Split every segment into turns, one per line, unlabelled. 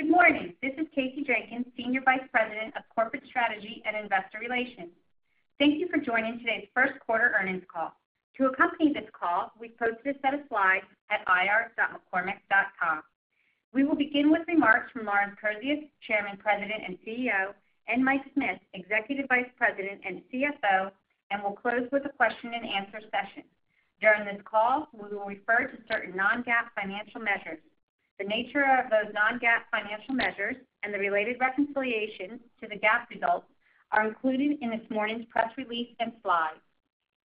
Good morning. This is Kasey Jenkins, Senior Vice President of Corporate Strategy and Investor Relations. Thank you for joining today's first quarter earnings call. To accompany this call, we've posted a set of slides at ir.mccormick.com. We will begin with remarks from Lawrence Kurzius, Chairman, President, and CEO, and Mike Smith, Executive Vice President and CFO, and we'll close with a question-and-answer session. During this call, we will refer to certain non-GAAP financial measures. The nature of those non-GAAP financial measures and the related reconciliation to the GAAP results are included in this morning's press release and slides.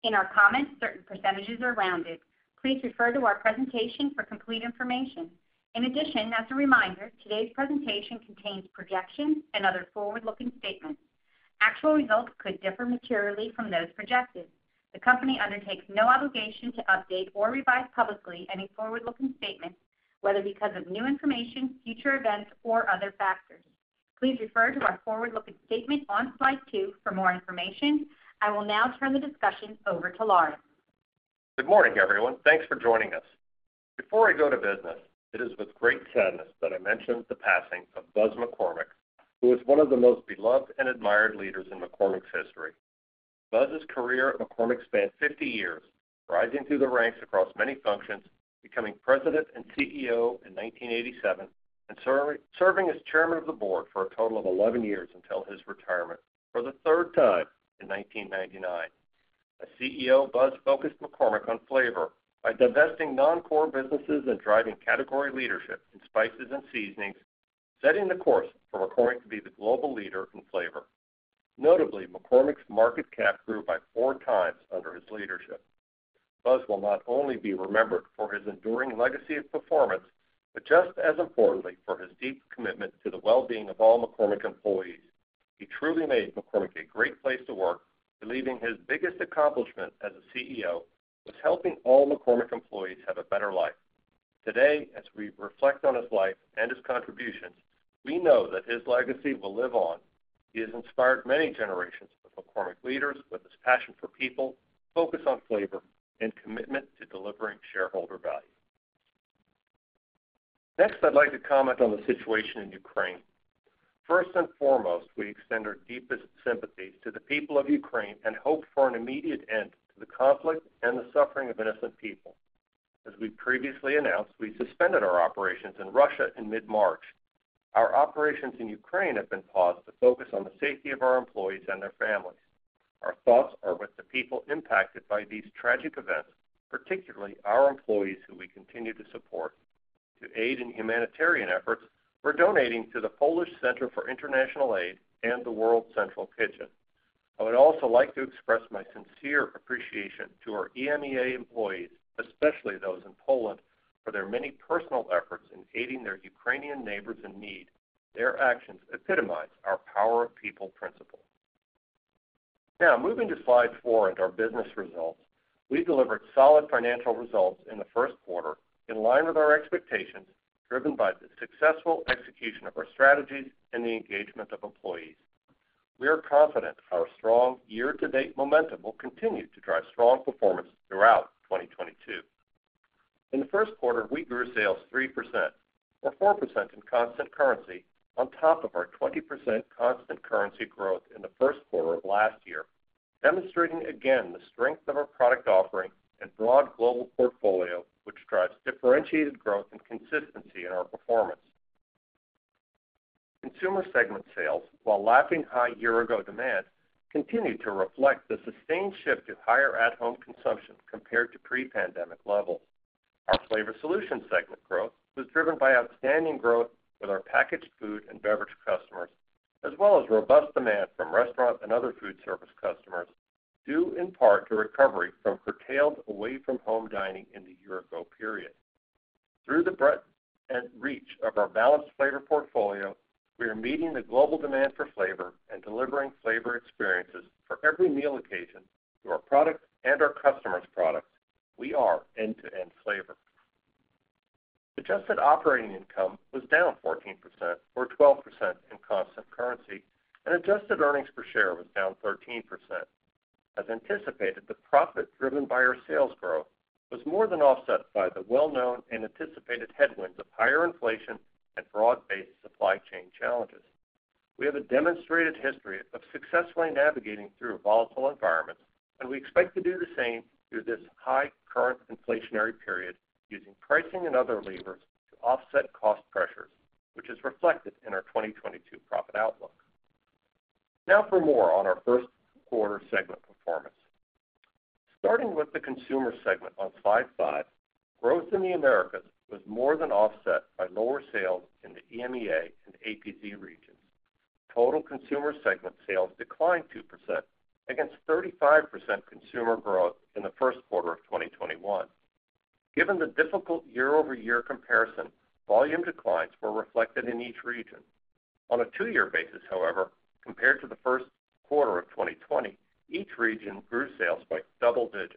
In our comments, certain percentages are rounded. Please refer to our presentation for complete information. In addition, as a reminder, today's presentation contains projections and other forward-looking statements. Actual results could differ materially from those projected. The company undertakes no obligation to update or revise publicly any forward-looking statements, whether because of new information, future events, or other factors. Please refer to our forward-looking statement on slide two for more information. I will now turn the discussion over to Lawrence.
Good morning, everyone. Thanks for joining us. Before I go to business, it is with great sadness that I mention the passing of Buzz McCormick, who was one of the most beloved and admired leaders in McCormick's history. Buzz's career at McCormick spanned 50 years, rising through the ranks across many functions, becoming President and CEO in 1987 and serving as Chairman of the Board for a total of 11 years until his retirement for the third time in 1999. As CEO, Buzz focused McCormick on flavor by divesting non-core businesses and driving category leadership in spices and seasonings, setting the course for McCormick to be the global leader in flavor. Notably, McCormick's market cap grew by 4x under his leadership. Buzz will not only be remembered for his enduring legacy of performance, but just as importantly, for his deep commitment to the well-being of all McCormick employees. He truly made McCormick a great place to work, believing his biggest accomplishment as a CEO was helping all McCormick employees have a better life. Today, as we reflect on his life and his contributions, we know that his legacy will live on. He has inspired many generations of McCormick leaders with his passion for people, focus on flavor, and commitment to delivering shareholder value. Next, I'd like to comment on the situation in Ukraine. First and foremost, we extend our deepest sympathies to the people of Ukraine and hope for an immediate end to the conflict and the suffering of innocent people. As we previously announced, we suspended our operations in Russia in mid-March. Our operations in Ukraine have been paused to focus on the safety of our employees and their families. Our thoughts are with the people impacted by these tragic events, particularly our employees who we continue to support. To aid in humanitarian efforts, we're donating to the Polish Center for International Aid and the World Central Kitchen. I would also like to express my sincere appreciation to our EMEA employees, especially those in Poland, for their many personal efforts in aiding their Ukrainian neighbors in need. Their actions epitomize our power of people principle. Now, moving to slide four and our business results, we delivered solid financial results in the first quarter, in line with our expectations, driven by the successful execution of our strategies and the engagement of employees. We are confident our strong year-to-date momentum will continue to drive strong performance throughout 2022. In the first quarter, we grew sales 3%, or 4% in constant currency, on top of our 20% constant currency growth in the first quarter of last year, demonstrating again the strength of our product offering and broad global portfolio, which drives differentiated growth and consistency in our performance. Consumer segment sales, while lapping high year-ago demand, continued to reflect the sustained shift to higher at-home consumption compared to pre-pandemic levels. Our Flavor Solutions segment growth was driven by outstanding growth with our packaged food and beverage customers, as well as robust demand from restaurant and other food service customers, due in part to recovery from curtailed away-from-home dining in the year-ago period. Through the breadth and reach of our balanced flavor portfolio, we are meeting the global demand for flavor and delivering flavor experiences for every meal occasion through our products and our customers' products. We are end-to-end flavor. Adjusted operating income was down 14% or 12% in constant currency, and adjusted earnings per share was down 13%. As anticipated, the profit driven by our sales growth was more than offset by the well-known and anticipated headwinds of higher inflation and broad-based supply chain challenges. We have a demonstrated history of successfully navigating through volatile environments, and we expect to do the same through this high current inflationary period using pricing and other levers to offset cost pressures, which is reflected in our 2022 profit outlook. Now for more on our first quarter segment performance. Starting with the Consumer segment on slide five, growth in the Americas was more than offset by lower sales in the EMEA and APZ regions. Total Consumer segment sales declined 2% against 35% Consumer growth in the first quarter of 2021. Given the difficult year-over-year comparison, volume declines were reflected in each region. On a two-year basis, however, compared to the first quarter of 2020, each region grew sales by double-digits.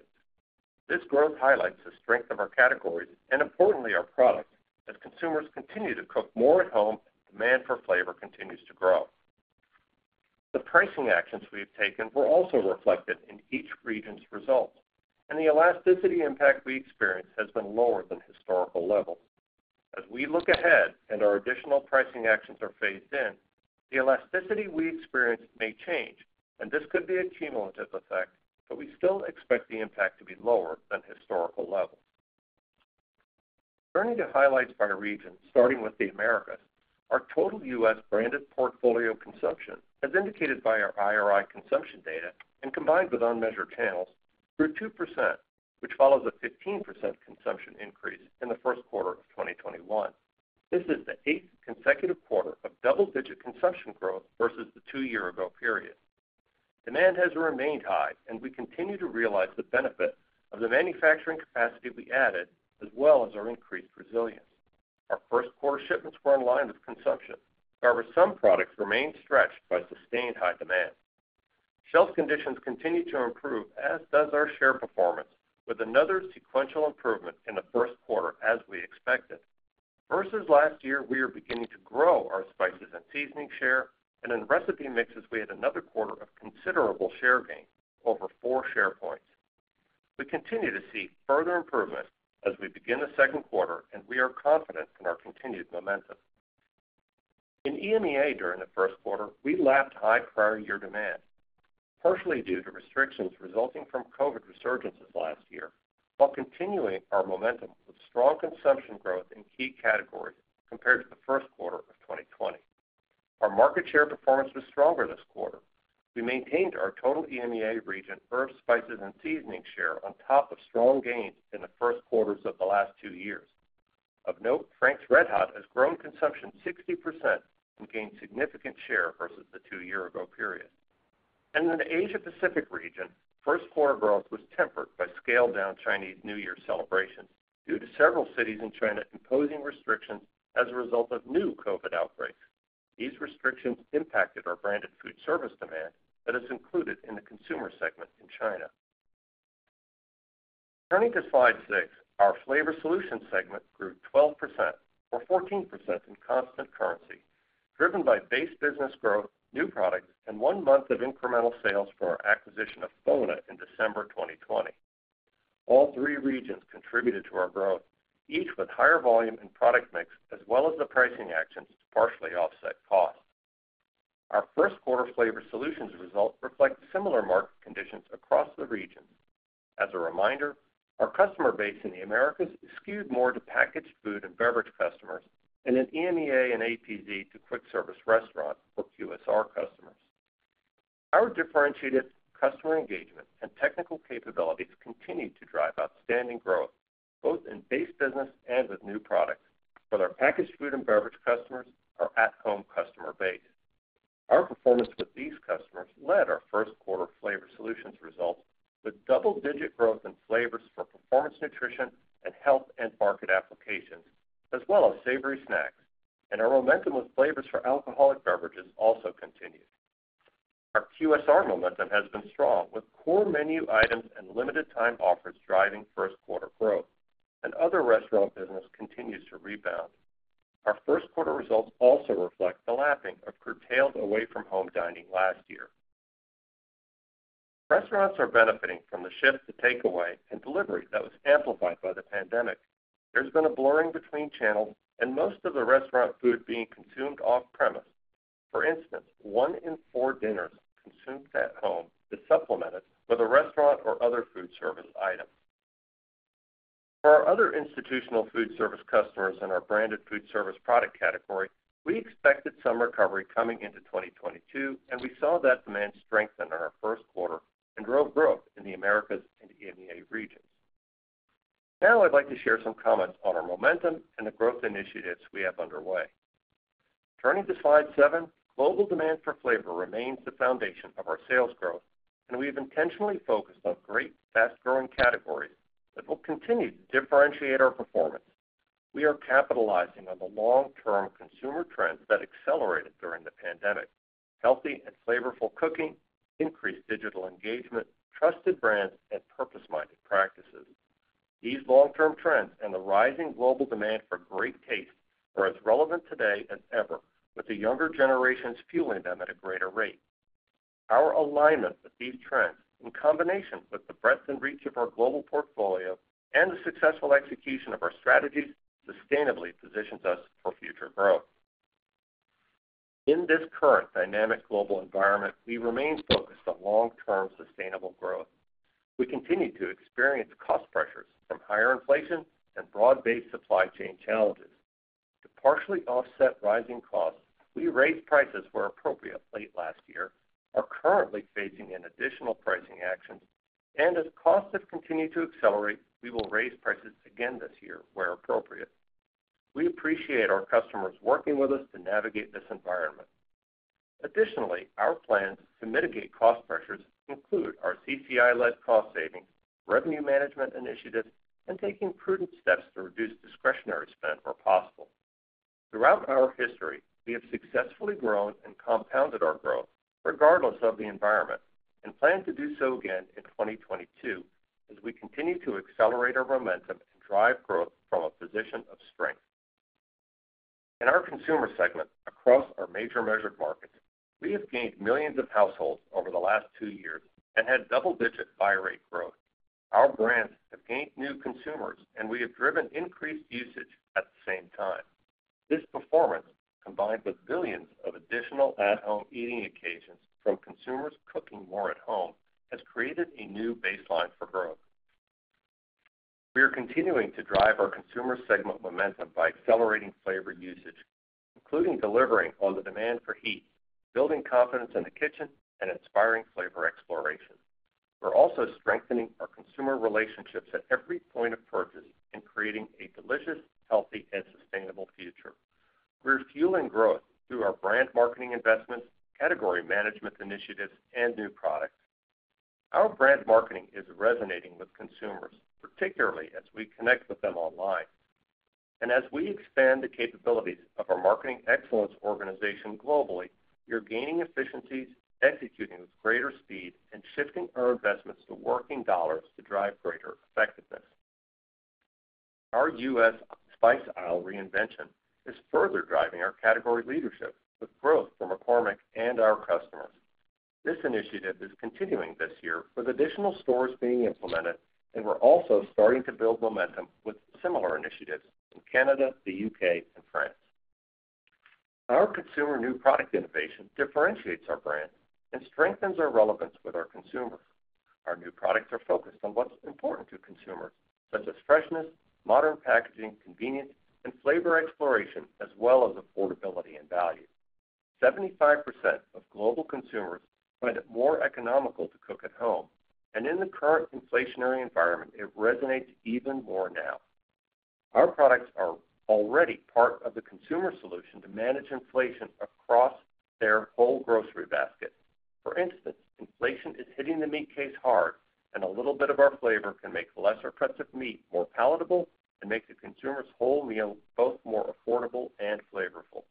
This growth highlights the strength of our categories and importantly, our products. As consumers continue to cook more at home, demand for flavor continues to grow. The pricing actions we have taken were also reflected in each region's results, and the elasticity impact we experienced has been lower than historical levels. As we look ahead and our additional pricing actions are phased in, the elasticity we experience may change, and this could be a cumulative effect, but we still expect the impact to be lower than historical levels. Turning to highlights by region, starting with the Americas, our total U.S. branded portfolio consumption, as indicated by our IRI consumption data and combined with unmeasured channels, grew 2%, which follows a 15% consumption increase in the first quarter of 2021. This is the 8th consecutive quarter of double-digit consumption growth versus the two-year ago period. Demand has remained high, and we continue to realize the benefit of the manufacturing capacity we added, as well as our increased resilience. Our first quarter shipments were in line with consumption. However, some products remained stretched by sustained high demand. Shelf conditions continued to improve, as does our share performance, with another sequential improvement in the first quarter as we expected. Versus last year, we are beginning to grow our spices and seasoning share and in recipe mixes, we had another quarter of considerable share gain, over four share points. We continue to see further improvement as we begin the second quarter, and we are confident in our continued momentum. In EMEA, during the first quarter, we lapped high prior year demand, partially due to restrictions resulting from COVID resurgences last year, while continuing our momentum with strong consumption growth in key categories compared to the first quarter of 2020. Our market share performance was stronger this quarter. We maintained our total EMEA region herbs, spices, and seasoning share on top of strong gains in the first quarters of the last two years. Of note, Frank's RedHot has grown consumption 60% and gained significant share versus the two-year-ago period. In the Asia Pacific region, first quarter growth was tempered by scaled-down Chinese New Year celebrations due to several cities in China imposing restrictions as a result of new COVID outbreaks. These restrictions impacted our branded food service demand that is included in the Consumer segment in China. Turning to slide six, our Flavor Solutions segment grew 12% or 14% in constant currency, driven by base business growth, new products, and one month of incremental sales for our acquisition of FONA in December 2020. All three regions contributed to our growth, each with higher volume and product mix, as well as the pricing actions to partially offset costs. Our first quarter Flavor Solutions results reflect similar market conditions across the regions. As a reminder, our customer base in the Americas is skewed more to packaged food and beverage customers and in EMEA and APZ to quick service restaurants or QSR customers. Our differentiated customer engagement and technical capabilities continued to drive outstanding growth, both in base business and with new products, with our packaged food and beverage customers, our at-home customer base. Our performance with these customers led to our first quarter Flavor Solutions results with double-digit growth in flavors for performance nutrition and health and end-market applications, as well as savory snacks. Our momentum with flavors for alcoholic beverages also continued. Our QSR momentum has been strong with core menu items and limited time offers driving first quarter growth, and other restaurant business continues to rebound. Our first quarter results also reflect the lapping of curtailed away-from-home dining last year. Restaurants are benefiting from the shift to takeaway and delivery that was amplified by the pandemic. There's been a blurring between channels and most of the restaurant food being consumed off-premise. For instance, one in four dinners consumed at home is supplemented with a restaurant or other food service item. For our other institutional food service customers in our branded food service product category, we expected some recovery coming into 2022, and we saw that demand strengthen in our first quarter and drove growth in the Americas and EMEA regions. Now I'd like to share some comments on our momentum and the growth initiatives we have underway. Turning to slide seven, global demand for flavor remains the foundation of our sales growth, and we've intentionally focused on great, fast-growing categories that will continue to differentiate our performance. We are capitalizing on the long-term consumer trends that accelerated during the pandemic, healthy and flavorful cooking, increased digital engagement, trusted brands, and purpose-minded practices. These long-term trends and the rising global demand for great taste are as relevant today as ever, with the younger generations fueling them at a greater rate. Our alignment with these trends, in combination with the breadth and reach of our global portfolio and the successful execution of our strategies, sustainably positions us for future growth. In this current dynamic global environment, we remain focused on long-term sustainable growth. We continue to experience cost pressures from higher inflation and broad-based supply chain challenges. To partially offset rising costs, we raised prices where appropriate late last year, are currently phasing in additional pricing actions, and as costs have continued to accelerate, we will raise prices again this year where appropriate. We appreciate our customers working with us to navigate this environment. Additionally, our plans to mitigate cost pressures include our CCI-led cost savings, revenue management initiatives, and taking prudent steps to reduce discretionary spend where possible. Throughout our history, we have successfully grown and compounded our growth regardless of the environment and plan to do so again in 2022 as we continue to accelerate our momentum and drive growth from a position of strength. In our Consumer segment across our major measured markets, we have gained millions of households over the last two years and had double-digit buy rate growth. Our brands have gained new consumers, and we have driven increased usage at the same time. This performance, combined with billions of additional at-home eating occasions from consumers cooking more at home, has created a new baseline for growth. We are continuing to drive our Consumer segment momentum by accelerating flavor usage, including delivering on the demand for heat, building confidence in the kitchen, and inspiring flavor exploration. We're also strengthening our consumer relationships at every point of purchase and creating a delicious, healthy, and sustainable future. We're fueling growth through our brand marketing investments, category management initiatives, and new products. Our brand marketing is resonating with consumers, particularly as we connect with them online. As we expand the capabilities of our marketing excellence organization globally, we are gaining efficiencies, executing with greater speed, and shifting our investments to working dollars to drive greater effectiveness. Our U.S. spice aisle reinvention is further driving our category leadership with growth for McCormick and our customers. This initiative is continuing this year with additional stores being implemented, and we're also starting to build momentum with similar initiatives in Canada, the U.K., and France. Our Consumer new product innovation differentiates our brand and strengthens our relevance with our consumers. Our new products are focused on what's important to consumers, such as freshness, modern packaging, convenience, and flavor exploration, as well as affordability and value. 75% of global consumers find it more economical to cook at home, and in the current inflationary environment, it resonates even more now. Our products are already part of the consumer solution to manage inflation across their whole grocery basket. For instance, inflation is hitting the meat case hard, and a little bit of our flavor can make lesser cuts of meat more palatable and makes the consumer's whole meal both more affordable and flavorful.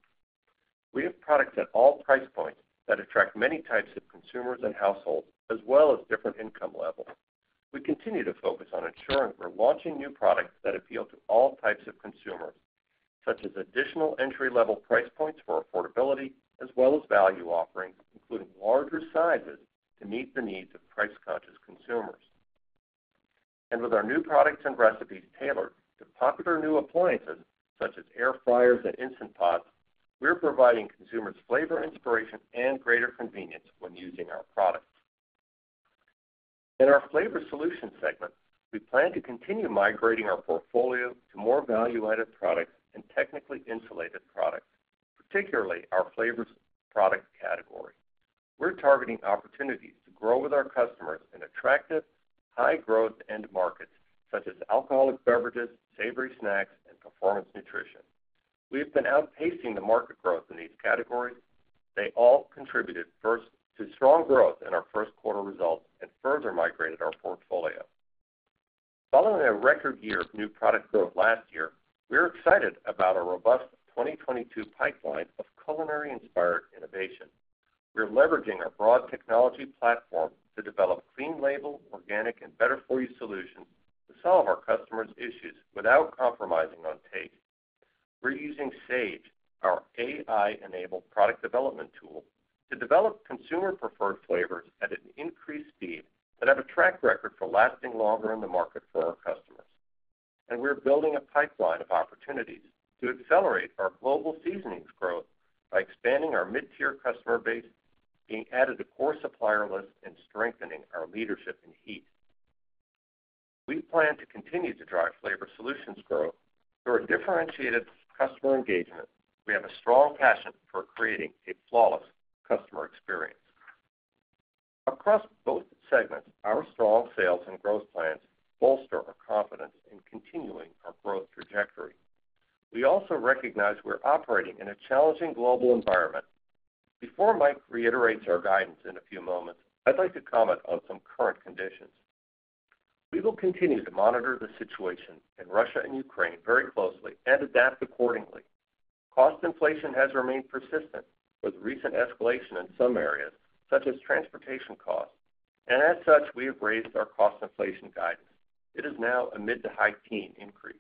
We have products at all price points that attract many types of consumers and households, as well as different income levels. We continue to focus on ensuring we're launching new products that appeal to all types of consumers, such as additional entry-level price points for affordability as well as value offerings, including larger sizes to meet the needs of price-conscious consumers. With our new products and recipes tailored to popular new appliances, such as air fryers and Instant Pot, we're providing consumers flavor inspiration and greater convenience when using our products. In our Flavor Solutions segment, we plan to continue migrating our portfolio to more value-added products and technically insulated products, particularly our flavors product category. We're targeting opportunities to grow with our customers in attractive, high-growth end markets such as alcoholic beverages, savory snacks, and performance nutrition. We have been outpacing the market growth in these categories. They all contributed first to strong growth in our first quarter results and further migrated our portfolio. Following a record year of new product growth last year, we're excited about a robust 2022 pipeline of culinary-inspired innovation. We're leveraging our broad technology platform to develop clean label, organic, and better-for-you solutions to solve our customers' issues without compromising on taste. We're using SAGE, our AI-enabled product development tool, to develop consumer preferred flavors at an increased speed that have a track record for lasting longer in the market for our customers. We're building a pipeline of opportunities to accelerate our global seasonings growth by expanding our mid-tier customer base, being added to core supplier lists, and strengthening our leadership in heat. We plan to continue to drive Flavor Solutions growth through our differentiated customer engagement. We have a strong passion for creating a flawless customer experience. Across both segments, our strong sales and growth plans bolster our confidence in continuing our growth trajectory. We also recognize we're operating in a challenging global environment. Before Mike reiterates our guidance in a few moments, I'd like to comment on some current conditions. We will continue to monitor the situation in Russia and Ukraine very closely and adapt accordingly. Cost inflation has remained persistent, with recent escalation in some areas, such as transportation costs, and as such, we have raised our cost inflation guidance. It is now a mid- to high-teen increase.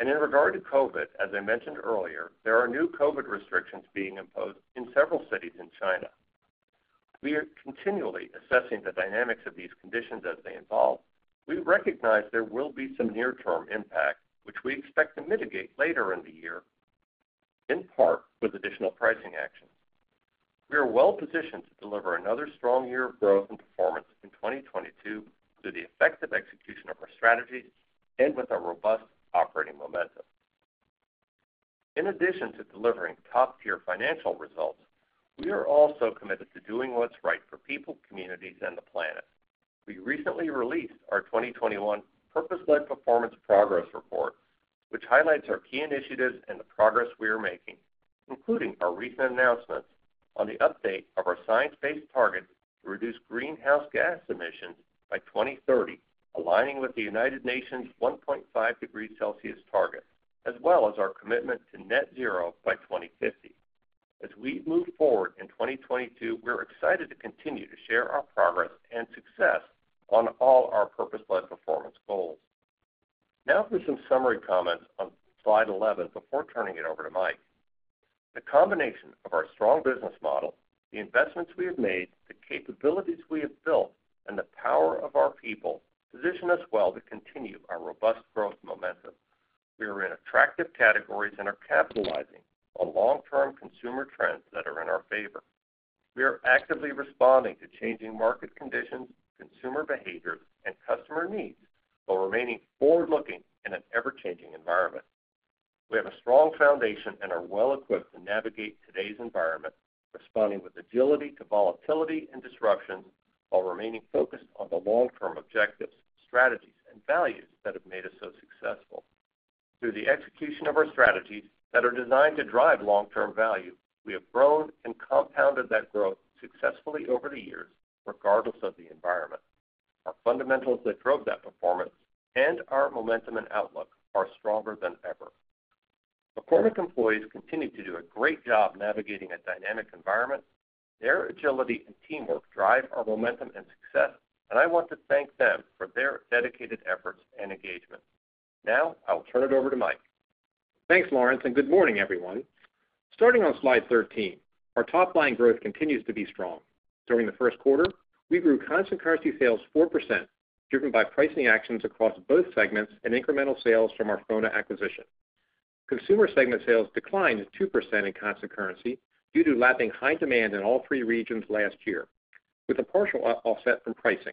In regard to COVID, as I mentioned earlier, there are new COVID restrictions being imposed in several cities in China. We are continually assessing the dynamics of these conditions as they evolve. We recognize there will be some near-term impact, which we expect to mitigate later in the year, in part with additional pricing actions. We are well-positioned to deliver another strong year of growth and performance in 2022 through the effective execution of our strategies and with our robust operating momentum. In addition to delivering top-tier financial results, we are also committed to doing what's right for people, communities, and the planet. We recently released our 2021 Purpose-led Performance Progress Report, which highlights our key initiatives and the progress we are making, including our recent announcement on the update of our science-based target to reduce greenhouse gas emissions by 2030, aligning with the United Nations 1.5 degrees Celsius target, as well as our commitment to net zero by 2050. As we move forward in 2022, we're excited to continue to share our progress and success on all our Purpose-led Performance goals. Now for some summary comments on slide 11 before turning it over to Mike. The combination of our strong business model, the investments we have made, the capabilities we have built, and the power of our people position us well to continue our robust growth momentum. We are in attractive categories and are capitalizing on long-term consumer trends that are in our favor. We are actively responding to changing market conditions, consumer behaviors, and customer needs while remaining forward-looking in an ever-changing environment. We have a strong foundation and are well equipped to navigate today's environment, responding with agility to volatility and disruption while remaining focused on the long-term objectives, strategies, and values that have made us so successful. Through the execution of our strategies that are designed to drive long-term value, we have grown and compounded that growth successfully over the years, regardless of the environment. Our fundamentals that drove that performance and our momentum and outlook are stronger than ever. McCormick employees continue to do a great job navigating a dynamic environment. Their agility and teamwork drive our momentum and success, and I want to thank them for their dedicated efforts and engagement. Now I'll turn it over to Mike.
Thanks, Lawrence, and good morning, everyone. Starting on slide 13, our top line growth continues to be strong. During the first quarter, we grew constant currency sales 4%, driven by pricing actions across both segments and incremental sales from our FONA acquisition. Consumer segment sales declined 2% in constant currency due to lapping high demand in all three regions last year, with a partial offset from pricing.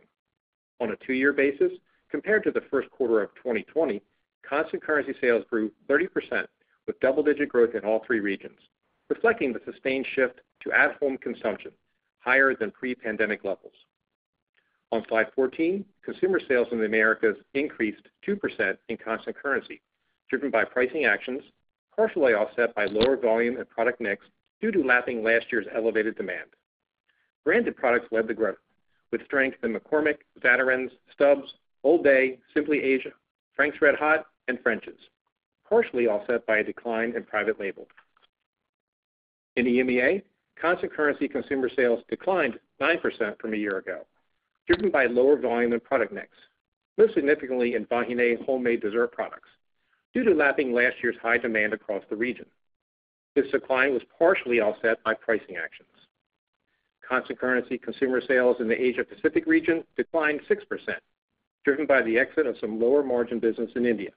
On a two-year basis, compared to the first quarter of 2020, constant currency sales grew 30% with double-digit growth in all three regions, reflecting the sustained shift to at-home consumption higher than pre-pandemic levels. On slide 14, Consumer sales in the Americas increased 2% in constant currency, driven by pricing actions, partially offset by lower volume and product mix due to lapping last year's elevated demand. Branded products led the growth, with strength in McCormick, Zatarain's, Stubb's, OLD BAY, Simply Asia, Frank's RedHot, and French's, partially offset by a decline in private label. In EMEA, constant currency consumer sales declined 9% from a year ago, driven by lower volume and product mix, most significantly in Vahiné homemade dessert products, due to lapping last year's high demand across the region. This decline was partially offset by pricing actions. Constant currency Consumer sales in the Asia Pacific region declined 6%, driven by the exit of some lower-margin business in India.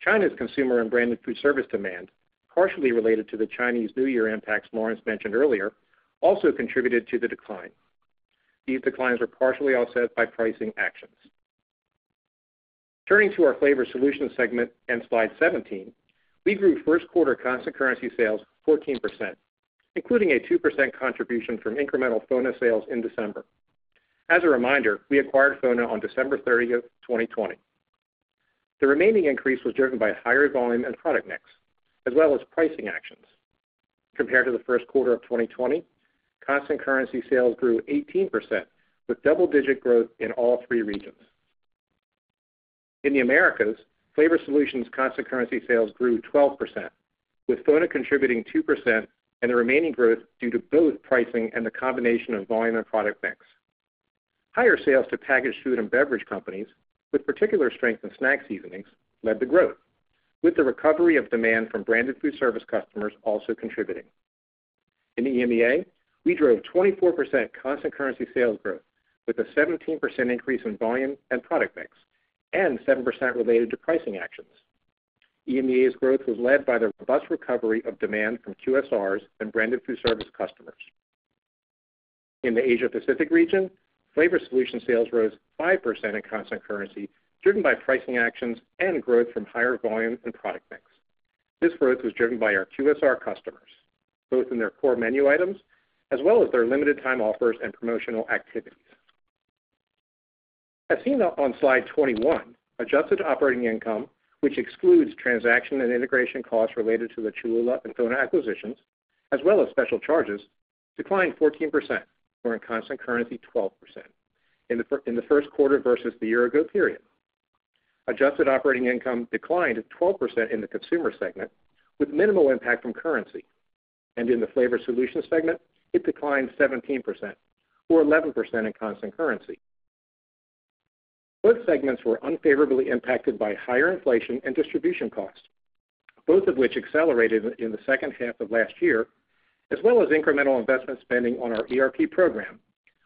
China's Consumer and branded food service demand, partially related to the Chinese New Year impacts Lawrence mentioned earlier, also contributed to the decline. These declines were partially offset by pricing actions. Turning to our Flavor Solutions segment and slide 17, we grew first quarter constant currency sales 14%, including a 2% contribution from incremental FONA sales in December. As a reminder, we acquired FONA on December 30th, 2020. The remaining increase was driven by higher volume and product mix, as well as pricing actions. Compared to the first quarter of 2020, constant currency sales grew 18%, with double-digit growth in all three regions. In the Americas, Flavor Solutions constant currency sales grew 12%, with FONA contributing 2% and the remaining growth due to both pricing and the combination of volume and product mix. Higher sales to packaged food and beverage companies, with particular strength in snack seasonings, led the growth, with the recovery of demand from branded food service customers also contributing. In EMEA, we drove 24% constant currency sales growth, with a 17% increase in volume and product mix, and 7% related to pricing actions. EMEA's growth was led by the robust recovery of demand from QSRs and branded food service customers. In the Asia Pacific region, Flavor Solutions sales rose 5% in constant currency, driven by pricing actions and growth from higher volume and product mix. This growth was driven by our QSR customers, both in their core menu items as well as their limited time offers and promotional activities. As seen on slide 21, adjusted operating income, which excludes transaction and integration costs related to the Cholula and FONA acquisitions, as well as special charges, declined 14%, or in constant currency, 12% in the first quarter versus the year-ago period. Adjusted operating income declined 12% in the Consumer segment, with minimal impact from currency. In the Flavor Solutions segment, it declined 17%, or 11% in constant currency. Both segments were unfavorably impacted by higher inflation and distribution costs, both of which accelerated in the second half of last year, as well as incremental investment spending on our ERP program,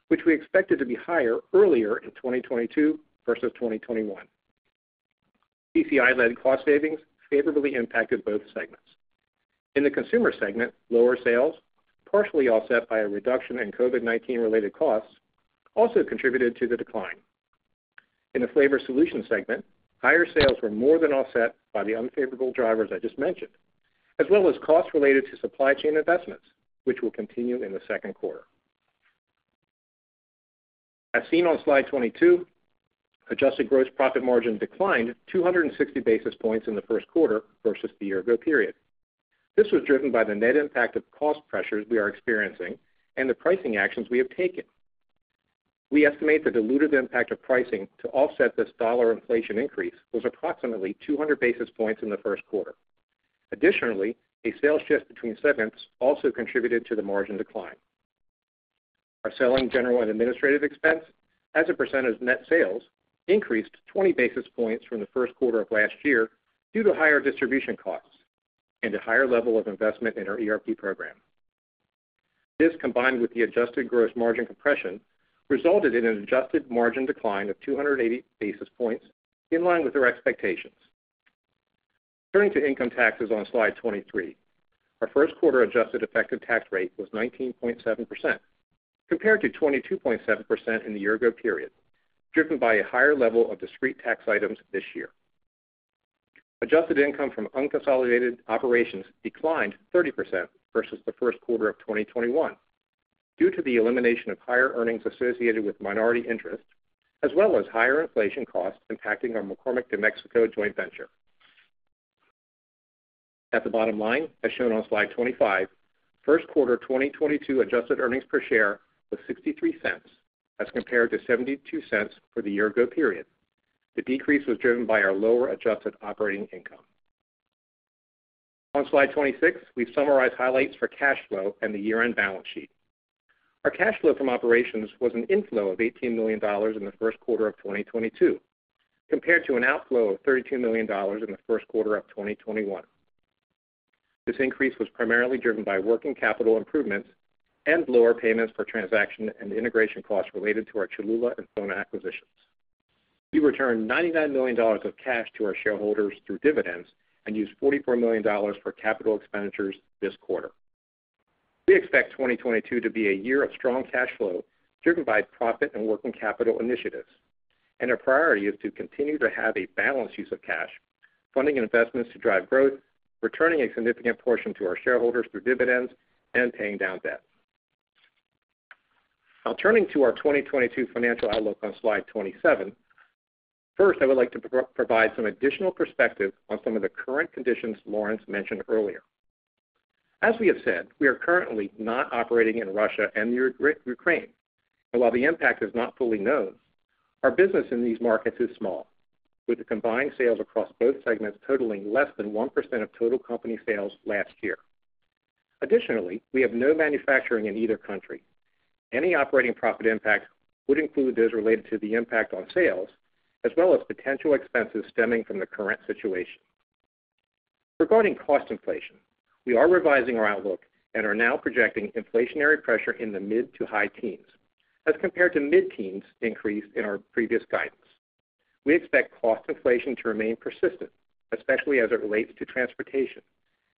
which we expected to be higher earlier in 2022 versus 2021. CCI-led cost savings favorably impacted both segments. In the Consumer segment, lower sales, partially offset by a reduction in COVID-19 related costs, also contributed to the decline. In the Flavor Solutions segment, higher sales were more than offset by the unfavorable drivers I just mentioned, as well as costs related to supply chain investments, which will continue in the second quarter. As seen on slide 22, adjusted gross profit margin declined 260 basis points in the first quarter versus the year ago period. This was driven by the net impact of cost pressures we are experiencing and the pricing actions we have taken. We estimate the dilutive impact of pricing to offset this dollar inflation increase was approximately 200 basis points in the first quarter. Additionally, a sales shift between segments also contributed to the margin decline. Our selling, general, and administrative expense as a percent of net sales increased 20 basis points from the first quarter of last year due to higher distribution costs and a higher level of investment in our ERP program. This, combined with the adjusted gross margin compression, resulted in an adjusted margin decline of 280 basis points, in line with our expectations. Turning to income taxes on slide 23. Our first quarter adjusted effective tax rate was 19.7%, compared to 22.7% in the year-ago period, driven by a higher level of discrete tax items this year. Adjusted income from unconsolidated operations declined 30% versus the first quarter of 2021 due to the elimination of higher earnings associated with minority interest, as well as higher inflation costs impacting our McCormick de Mexico joint venture. At the bottom line, as shown on slide 25, first quarter 2022 adjusted earnings per share was $0.63 as compared to $0.72 for the year-ago period. The decrease was driven by our lower adjusted operating income. On slide 26, we've summarized highlights for cash flow and the year-end balance sheet. Our cash flow from operations was an inflow of $18 million in the first quarter of 2022, compared to an outflow of $32 million in the first quarter of 2021. This increase was primarily driven by working capital improvements and lower payments for transaction and integration costs related to our Cholula and FONA acquisitions. We returned $99 million of cash to our shareholders through dividends and used $44 million for capital expenditures this quarter. We expect 2022 to be a year of strong cash flow driven by profit and working capital initiatives, and our priority is to continue to have a balanced use of cash, funding investments to drive growth, returning a significant portion to our shareholders through dividends, and paying down debt. Now turning to our 2022 financial outlook on slide 27. First, I would like to provide some additional perspective on some of the current conditions Lawrence mentioned earlier. As we have said, we are currently not operating in Russia and Ukraine. While the impact is not fully known, our business in these markets is small, with the combined sales across both segments totaling less than 1% of total company sales last year. Additionally, we have no manufacturing in either country. Any operating profit impact would include those related to the impact on sales, as well as potential expenses stemming from the current situation. Regarding cost inflation, we are revising our outlook and are now projecting inflationary pressure in the mid- to high-teens, as compared to mid-teens increase in our previous guidance. We expect cost inflation to remain persistent, especially as it relates to transportation,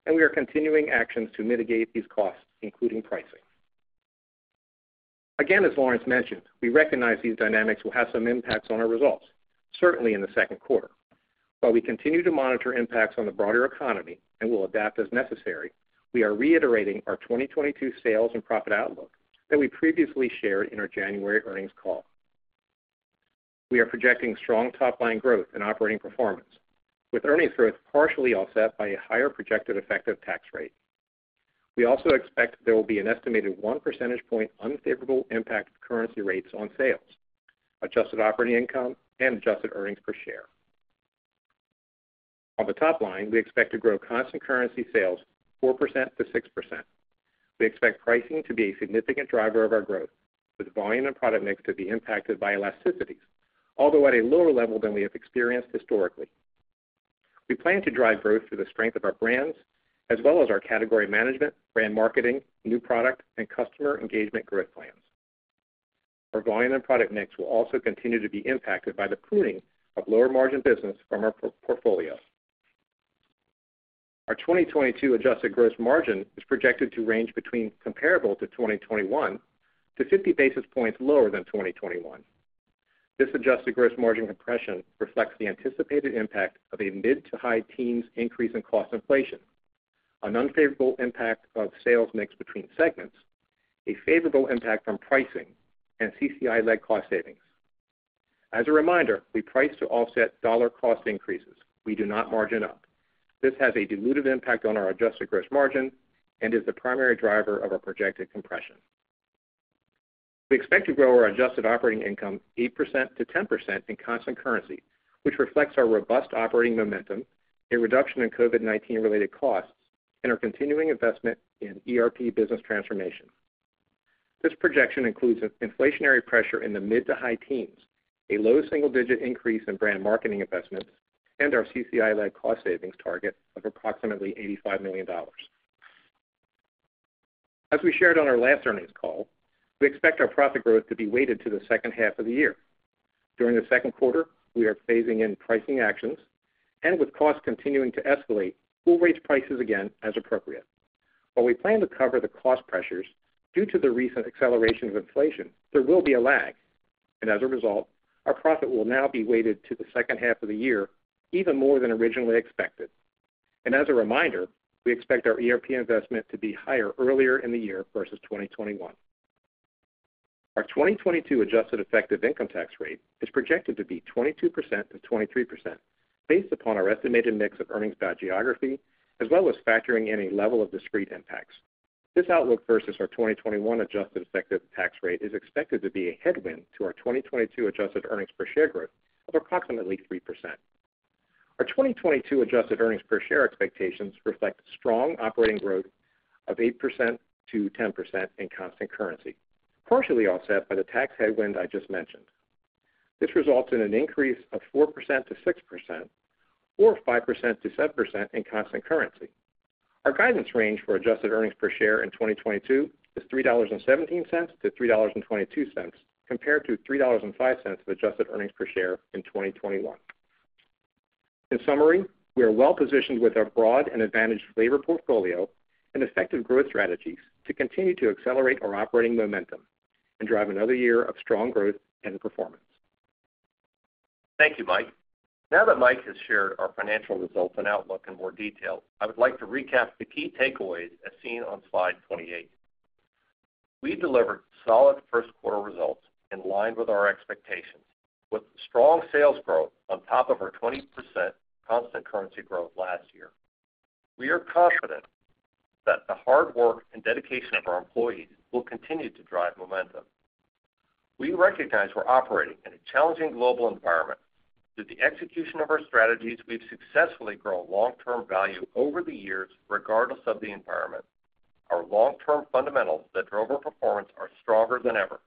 and we are continuing actions to mitigate these costs, including pricing. Again, as Lawrence mentioned, we recognize these dynamics will have some impacts on our results, certainly in the second quarter. While we continue to monitor impacts on the broader economy and will adapt as necessary, we are reiterating our 2022 sales and profit outlook that we previously shared in our January earnings call. We are projecting strong top line growth and operating performance, with earnings growth partially offset by a higher projected effective tax rate. We also expect there will be an estimated one percentage point unfavorable impact of currency rates on sales, adjusted operating income, and adjusted earnings per share. On the top line, we expect to grow constant currency sales 4%-6%. We expect pricing to be a significant driver of our growth, with volume and product mix to be impacted by elasticities, although at a lower level than we have experienced historically. We plan to drive growth through the strength of our brands as well as our category management, brand marketing, new product, and customer engagement growth plans. Our volume and product mix will also continue to be impacted by the pruning of lower margin business from our portfolio. Our 2022 adjusted gross margin is projected to range between comparable to 2021 to 50 basis points lower than 2021. This adjusted gross margin compression reflects the anticipated impact of a mid- to high-teens increase in cost inflation, an unfavorable impact of sales mix between segments, a favorable impact from pricing, and CCI-led cost savings. As a reminder, we price to offset dollar cost increases. We do not margin up. This has a dilutive impact on our adjusted gross margin and is the primary driver of our projected compression. We expect to grow our adjusted operating income 8%-10% in constant currency, which reflects our robust operating momentum, a reduction in COVID-19 related costs, and our continuing investment in ERP business transformation. This projection includes an inflationary pressure in the mid- to high-teens, a low single-digit increase in brand marketing investments, and our CCI-led cost savings target of approximately $85 million. As we shared on our last earnings call, we expect our profit growth to be weighted to the second half of the year. During the second quarter, we are phasing in pricing actions, and with costs continuing to escalate, we'll raise prices again as appropriate. While we plan to cover the cost pressures, due to the recent acceleration of inflation, there will be a lag. As a result, our profit will now be weighted to the second half of the year even more than originally expected. As a reminder, we expect our ERP investment to be higher earlier in the year versus 2021. Our 2022 adjusted effective income tax rate is projected to be 22% and 23%. Based upon our estimated mix of earnings by geography, as well as factoring any level of discrete impacts, this outlook versus our 2021 adjusted effective tax rate is expected to be a headwind to our 2022 adjusted earnings per share growth of approximately 3%. Our 2022 adjusted earnings per share expectations reflect strong operating growth of 8%-10% in constant currency, partially offset by the tax headwind I just mentioned. This results in an increase of 4%-6% or 5%-7% in constant currency. Our guidance range for adjusted earnings per share in 2022 is $3.17-$3.22, compared to $3.05 of adjusted earnings per share in 2021. In summary, we are well-positioned with our broad and advantaged flavor portfolio and effective growth strategies to continue to accelerate our operating momentum and drive another year of strong growth and performance.
Thank you, Mike. Now that Mike has shared our financial results and outlook in more detail, I would like to recap the key takeaways as seen on slide 28. We delivered solid first quarter results in line with our expectations, with strong sales growth on top of our 20% constant currency growth last year. We are confident that the hard work and dedication of our employees will continue to drive momentum. We recognize we're operating in a challenging global environment. Through the execution of our strategies, we've successfully grown long-term value over the years, regardless of the environment. Our long-term fundamentals that drove our performance are stronger than ever.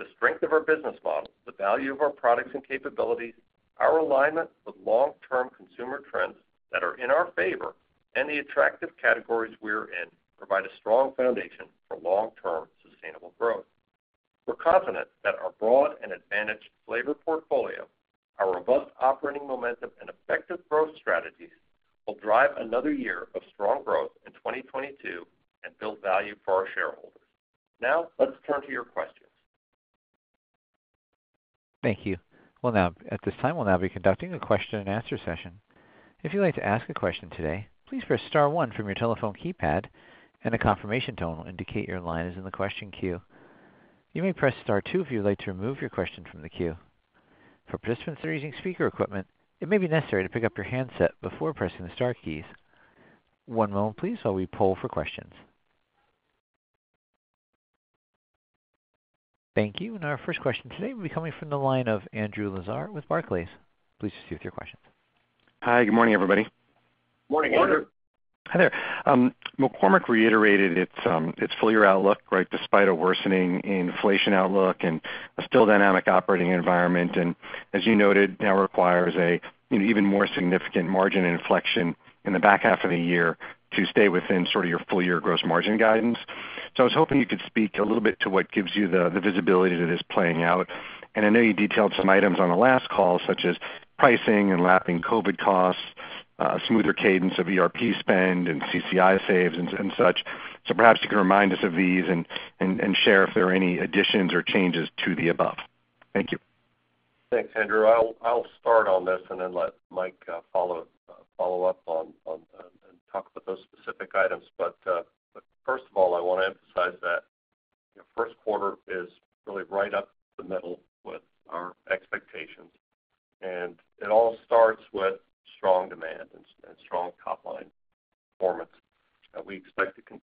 The strength of our business model, the value of our products and capabilities, our alignment with long-term consumer trends that are in our favor, and the attractive categories we are in provide a strong foundation for long-term sustainable growth. We're confident that our broad and advantaged flavor portfolio, our robust operating momentum, and effective growth strategies will drive another year of strong growth in 2022 and build value for our shareholders. Now, let's turn to your questions.
Thank you. At this time, we'll now be conducting a question-and-answer session. If you'd like to ask a question today, please press star one from your telephone keypad, and a confirmation tone will indicate your line is in the question queue. You may press star two if you would like to remove your question from the queue. For participants that are using speaker equipment, it may be necessary to pick up your handset before pressing the star keys. One moment please while we poll for questions. Thank you. Our first question today will be coming from the line of Andrew Lazar with Barclays. Please proceed with your questions.
Hi. Good morning, everybody.
Morning, Andrew.
Hi there. McCormick reiterated its full-year outlook, right, despite a worsening inflation outlook and a still dynamic operating environment, and as you noted, now requires, you know, even more significant margin inflection in the back half of the year to stay within sort of your full-year gross margin guidance. I was hoping you could speak a little bit to what gives you the visibility that is playing out. I know you detailed some items on the last call, such as pricing and lapping COVID costs, smoother cadence of ERP spend and CCI saves. Share if there are any additions or changes to the above. Thank you.
Thanks, Andrew. I'll start on this and then let Mike follow up on and talk about those specific items. First of all, I wanna emphasize that, you know, first quarter is really right up the middle with our expectations, and it all starts with strong demand and strong top line performance. We expect to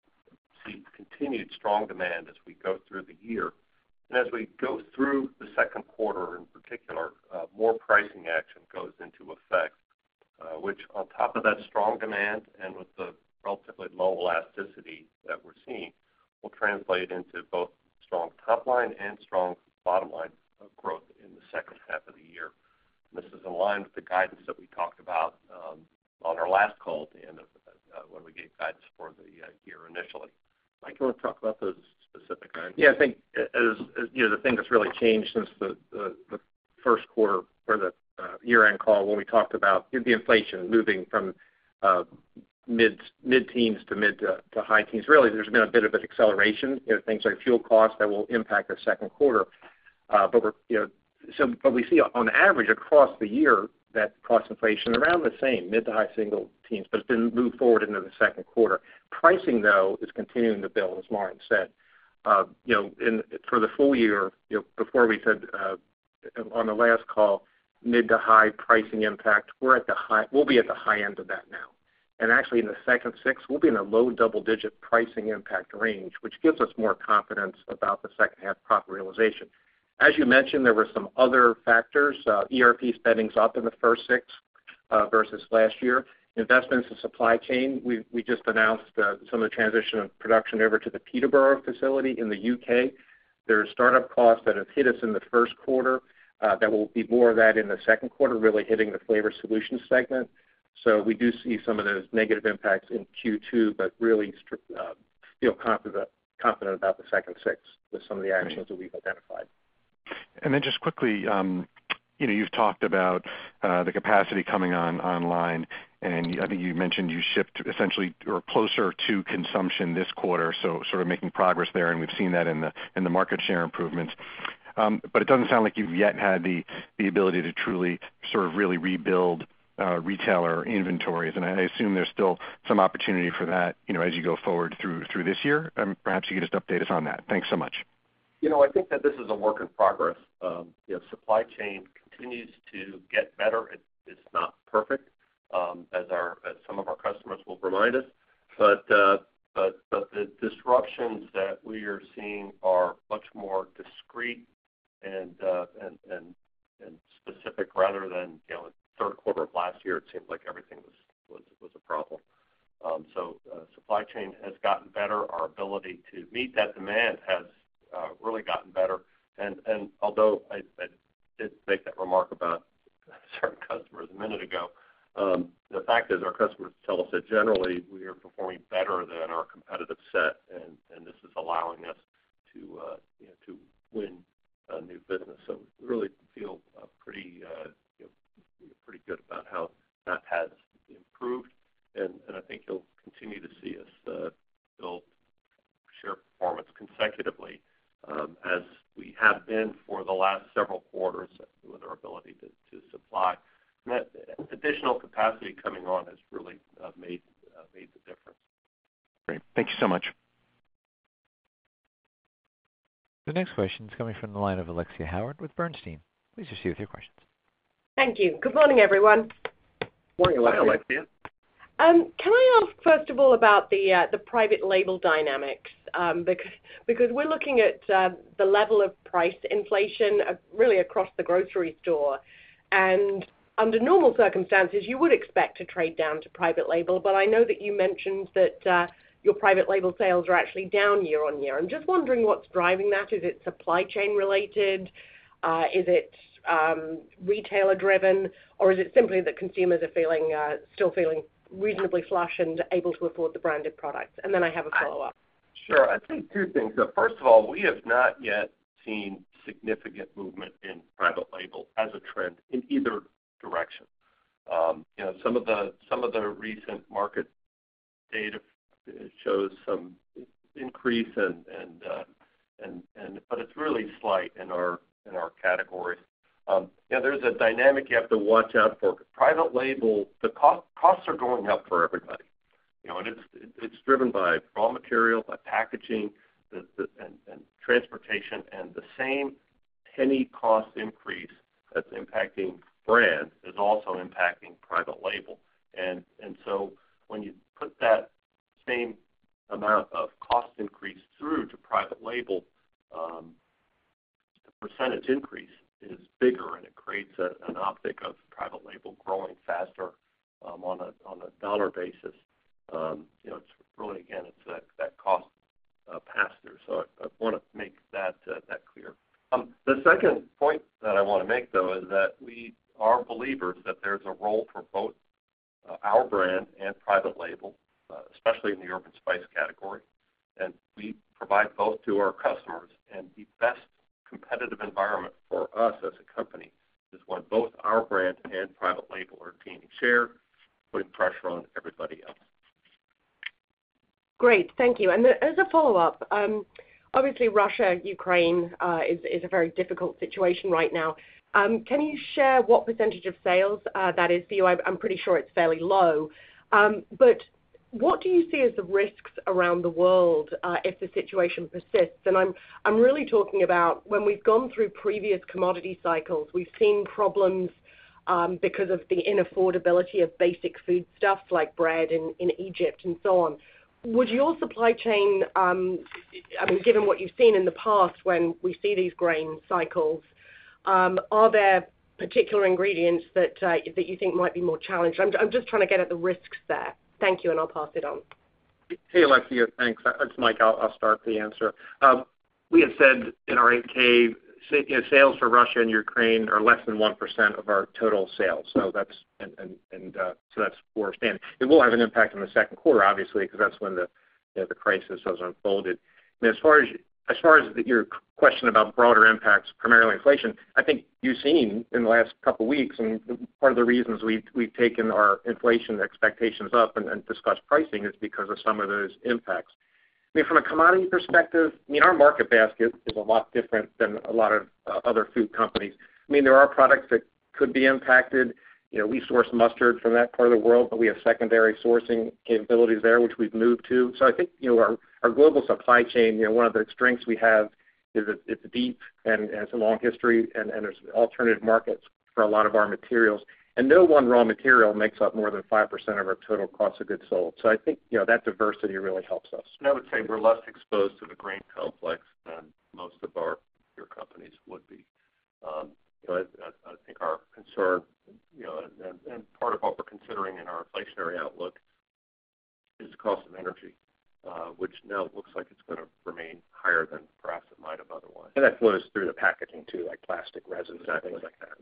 see continued strong demand as we go through the year. As we go through the second quarter in particular, more pricing action goes into effect, which on top of that strong demand and with the relatively low elasticity that we're seeing, will translate into both strong top line and strong bottom line of growth in the second half of the year. This is aligned with the guidance that we talked about on our last call at the end of when we gave guidance for the year initially. Mike, do you wanna talk about those specific items?
Yeah. I think you know the thing that's really changed since the first quarter or the year-end call when we talked about the inflation moving from mid-teens to high-teens. Really there's been a bit of an acceleration in things like fuel costs that will impact our second quarter. But what we see on average across the year, that cost inflation around the same, mid- to high-single-teens, but it's been moved forward into the second quarter. Pricing, though, is continuing to build, as Lawrence said. You know, for the full-year, before we said on the last call, mid to high pricing impact, we'll be at the high end of that now. Actually, in the second six, we'll be in a low double-digit pricing impact range, which gives us more confidence about the second half profit realization. As you mentioned, there were some other factors, ERP spending's up in the first six versus last year. Investments in supply chain, we've just announced some of the transition of production over to the Peterborough facility in the U.K. There are startup costs that have hit us in the first quarter, there will be more of that in the second quarter, really hitting the Flavor Solutions segment. We do see some of those negative impacts in Q2, but really feel confident about the second six with some of the actions that we've identified.
Then just quickly, you know, you've talked about the capacity coming on online, and I think you mentioned you shipped essentially or closer to consumption this quarter, so sort of making progress there, and we've seen that in the market share improvements. But it doesn't sound like you've yet had the ability to truly sort of really rebuild retailer inventories. I assume there's still some opportunity for that, you know, as you go forward through this year. Perhaps you could just update us on that. Thanks so much.
You know, I think that this is a work in progress. You know, supply chain continues to get better. It is not perfect, as some of our customers will remind us. The disruptions that we are seeing are much more discrete and specific rather than, you know, third quarter of last year, it seemed like everything was a problem. Supply chain has gotten better. Our ability to meet that demand has really gotten better. Although I did make that remark about certain customers a minute ago, the fact is our customers tell us that generally we are performing better than our competitive set, and this is allowing us to, you know, to win new business. We really feel pretty, you know, pretty good about how that has improved. I think you'll continue to see us build share performance consecutively as we have been for the last several quarters with our ability to supply. That additional capacity coming on has really made the difference.
Great. Thank you so much.
The next question is coming from the line of Alexia Howard with Bernstein. Please proceed with your questions.
Thank you. Good morning, everyone.
Morning, Alexia.
Hi, Alexia.
Can I ask first of all about the private label dynamics? Because we're looking at the level of price inflation really across the grocery store. Under normal circumstances, you would expect to trade down to private label, but I know that you mentioned that your private label sales are actually down year-on-year. I'm just wondering what's driving that. Is it supply chain related? Is it retailer driven or is it simply that consumers are still feeling reasonably flush and able to afford the branded products? Then I have a follow-up.
Sure. I'd say two things. First of all, we have not yet seen significant movement in private label as a trend in either direction. You know, some of the recent market data shows some increase. It's really slight in our categories. You know, there's a dynamic you have to watch out for. Private label costs are going up for everybody. You know, it's driven by raw material, by packaging, and transportation. The same penny cost increase that's impacting brand is also impacting private label. When you put that same amount of cost increase through to private label, the percentage increase is bigger, and it creates an optic of private label growing faster, on a dollar basis. You know, it's really, again, it's that cost passed through. I wanna make that clear. The second point that I wanna make, though, is that we are believers that there's a role for both our brand and private label, especially in the herb and spice category. We provide both to our customers. The best competitive environment for us as a company is when both our brand and private label are gaining share, putting pressure on everybody else.
Great. Thank you. As a follow-up, obviously Russia, Ukraine, is a very difficult situation right now. Can you share what percentage of sales that is for you? I'm pretty sure it's fairly low. What do you see as the risks around the world if the situation persists? I'm really talking about when we've gone through previous commodity cycles, we've seen problems because of the unaffordability of basic foodstuffs like bread in Egypt and so on. Would your supply chain, I mean, given what you've seen in the past when we see these grain cycles, are there particular ingredients that you think might be more challenged? I'm just trying to get at the risks there. Thank you, and I'll pass it on.
Hey, Alexia. Thanks. It's Mike. I'll start the answer. We have said in our 8-K, you know, sales for Russia and Ukraine are less than 1% of our total sales. That's where we're standing. It will have an impact on the second quarter, obviously, because that's when the crisis has unfolded. As far as your question about broader impacts, primarily inflation, I think you've seen in the last couple weeks, and part of the reasons we've taken our inflation expectations up and discussed pricing is because of some of those impacts. I mean, from a commodity perspective, I mean, our market basket is a lot different than a lot of other food companies. I mean, there are products that could be impacted. You know, we source mustard from that part of the world, but we have secondary sourcing capabilities there, which we've moved to. I think, you know, our global supply chain, you know, one of the strengths we have is it's deep and has a long history, and there's alternative markets for a lot of our materials. No one raw material makes up more than 5% of our total cost of goods sold. I think, you know, that diversity really helps us.
I would say we're less exposed to the grain complex than most of our peer companies would be. You know, I think our concern, you know, and part of what we're considering in our inflationary outlook is the cost of energy, which now looks like it's gonna remain higher than perhaps it might have otherwise.
That flows through the packaging too, like plastic resins and things like that.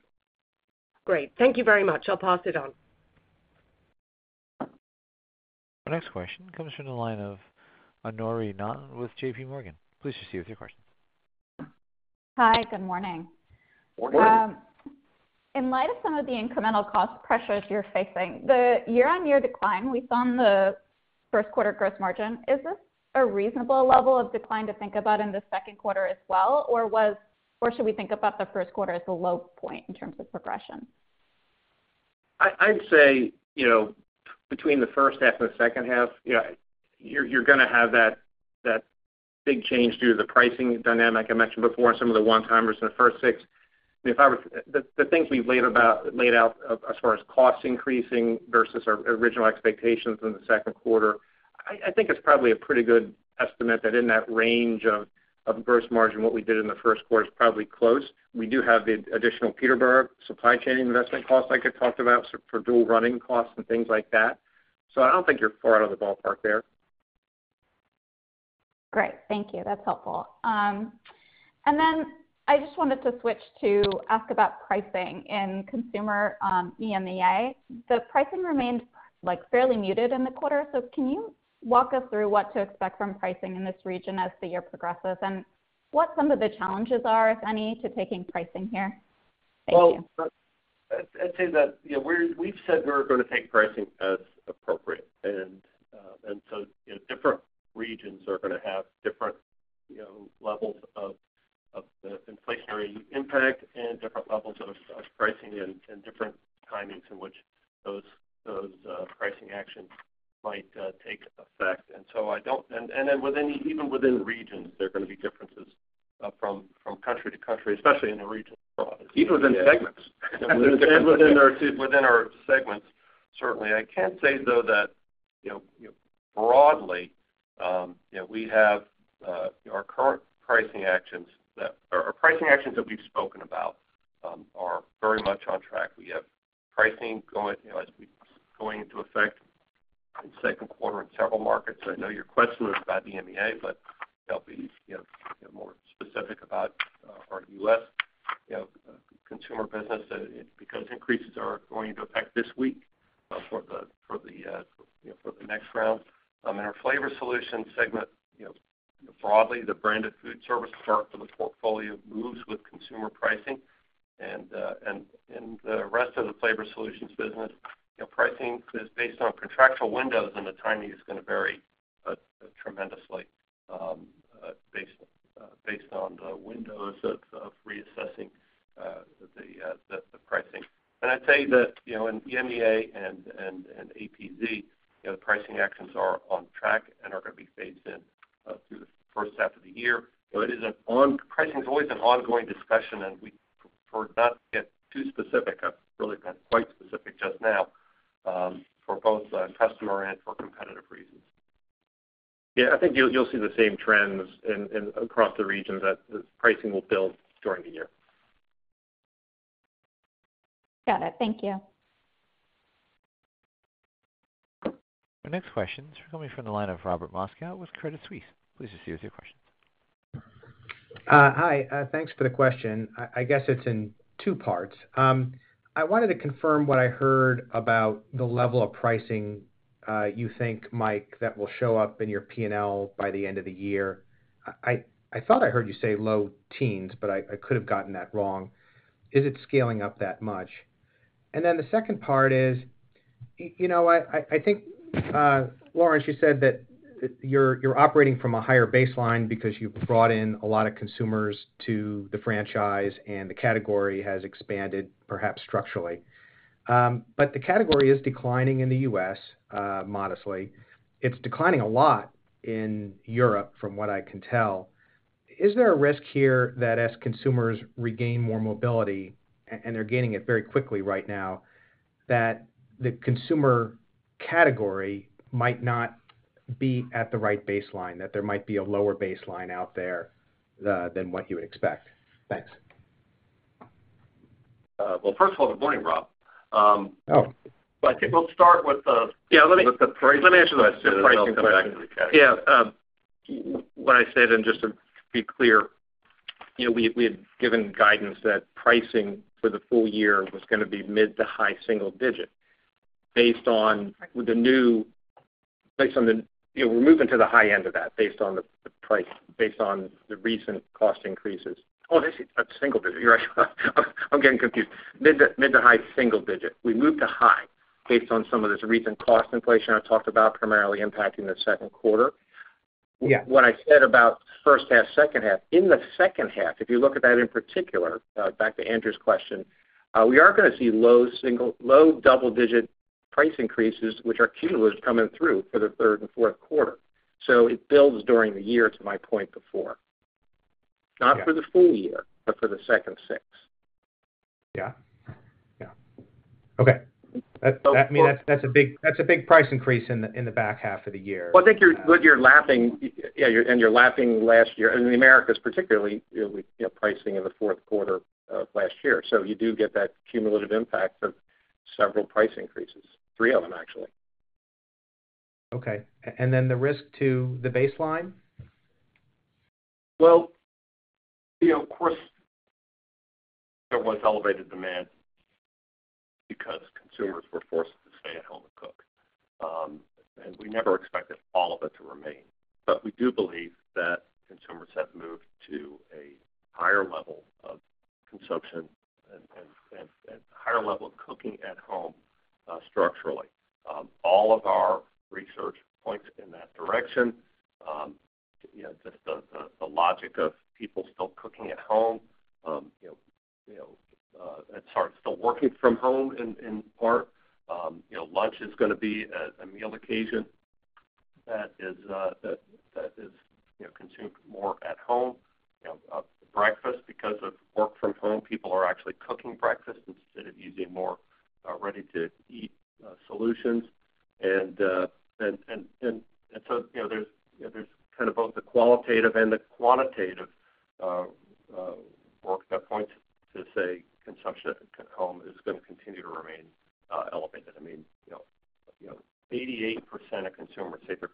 Great. Thank you very much. I'll pass it on.
Our next question comes from the line of [Anoori Na] with JPMorgan. Please proceed with your questions.
Hi. Good morning.
Morning.
Morning.
In light of some of the incremental cost pressures you're facing, the year-on-year decline we saw on the first quarter gross margin, is this a reasonable level of decline to think about in the second quarter as well, or should we think about the first quarter as the low point in terms of progression?
I'd say, you know, between the first half and the second half, yeah, you're gonna have that big change due to the pricing dynamic I mentioned before, and some of the one-timers in the first six. I mean, the things we've laid out as far as costs increasing versus our original expectations in the second quarter, I think it's probably a pretty good estimate that in that range of gross margin, what we did in the first quarter is probably close. We do have the additional Peterborough supply chain investment costs like I talked about, so for dual running costs and things like that. I don't think you're far out of the ballpark there.
Great. Thank you. That's helpful. I just wanted to switch to ask about pricing in Consumer, EMEA. The pricing remained, like, fairly muted in the quarter. Can you walk us through what to expect from pricing in this region as the year progresses and what some of the challenges are, if any, to taking pricing here? Thank you.
Well, I'd say that, you know, we've said we're gonna take pricing as appropriate. You know, different regions are gonna have different, you know, levels of the inflationary impact and different levels of pricing and different timings in which those pricing actions might take effect. Even within regions, there are gonna be differences from country to country, especially in the region abroad.
Even within segments.
Within our segments, certainly. I can say, though, that, you know, broadly, you know, we have our current pricing actions that or our pricing actions that we've spoken about are very much on track. We have pricing going into effect in second quarter in several markets. I know your question was about EMEA, but I'll be, you know, more specific about our U.S., you know, Consumer business because increases are going into effect this week for the next round. In our Flavor Solutions segment, you know, broadly, the brand of food service part of the portfolio moves with Consumer pricing. The rest of the Flavor Solutions business, you know, pricing is based on contractual windows, and the timing is gonna vary tremendously, based on the windows of reassessing the pricing. I'd say that, you know, in EMEA and APZ, you know, pricing actions are on track and are gonna be phased in through the first half of the year. Pricing is always an ongoing discussion, and we prefer not to get too specific. I've really been quite specific just now, for both customer and for competitive reasons.
Yeah. I think you'll see the same trends in across the regions that the pricing will build during the year.
Got it. Thank you.
Our next question is coming from the line of Robert Moskow with Credit Suisse. Please proceed with your questions.
Hi. Thanks for the question. I guess it's in two parts. I wanted to confirm what I heard about the level of pricing you think, Mike, that will show up in your P&L by the end of the year. I thought I heard you say low-teens, but I could have gotten that wrong. Is it scaling up that much? The second part is, you know, I think, Lawrence, you said that you're operating from a higher baseline because you've brought in a lot of consumers to the franchise and the category has expanded, perhaps structurally. The category is declining in the U.S., modestly. It's declining a lot in Europe, from what I can tell. Is there a risk here that as consumers regain more mobility, and they're gaining it very quickly right now, that the Consumer category might not be at the right baseline, that there might be a lower baseline out there than what you would expect? Thanks.
Well, first of all, good morning, Rob.
Oh.
I think we'll start with the-
Yeah, let me-
With the pricing question.
Let me answer the pricing question. Yeah. When I said and just to be clear, you know, we had given guidance that pricing for the full-year was gonna be mid- to high-single-digit. You know, we're moving to the high end of that based on the recent cost increases. Oh, this is a single-digit. You're right. I'm getting confused. Mid- to high-single-digit. We moved to high based on some of this recent cost inflation I talked about primarily impacting the second quarter.
Yeah.
What I said about first half, second half, in the second half, if you look at that in particular, back to Andrew's question, we are gonna see low double-digit price increases, which are cumulative coming through for the third and fourth quarter. It builds during the year to my point before.
Yeah.
Not for the full-year, but for the second six.
Yeah. Okay. That, I mean, that's a big price increase in the back half of the year.
Well, I think you're good. You're lapping last year, and in the Americas particularly, you're, you know, pricing in the fourth quarter of last year. You do get that cumulative impact of several price increases. Three of them, actually.
Okay. The risk to the baseline?
Well, you know, of course, there was elevated demand because consumers were forced to stay at home and cook. We never expected all of it to remain. We do believe that consumers have moved to a higher level of consumption and higher level of cooking at home, structurally. All of our research points in that direction. You know, just the logic of people still cooking at home, you know, and staff still working from home in part. You know, lunch is gonna be a meal occasion that is, you know, consumed more at home. You know, breakfast because of work from home, people are actually cooking breakfast instead of using more ready-to-eat solutions. You know, there's kind of both the qualitative and the quantitative work that points to say consumption at home is gonna continue to remain elevated. I mean, you know, 88% of consumers say they're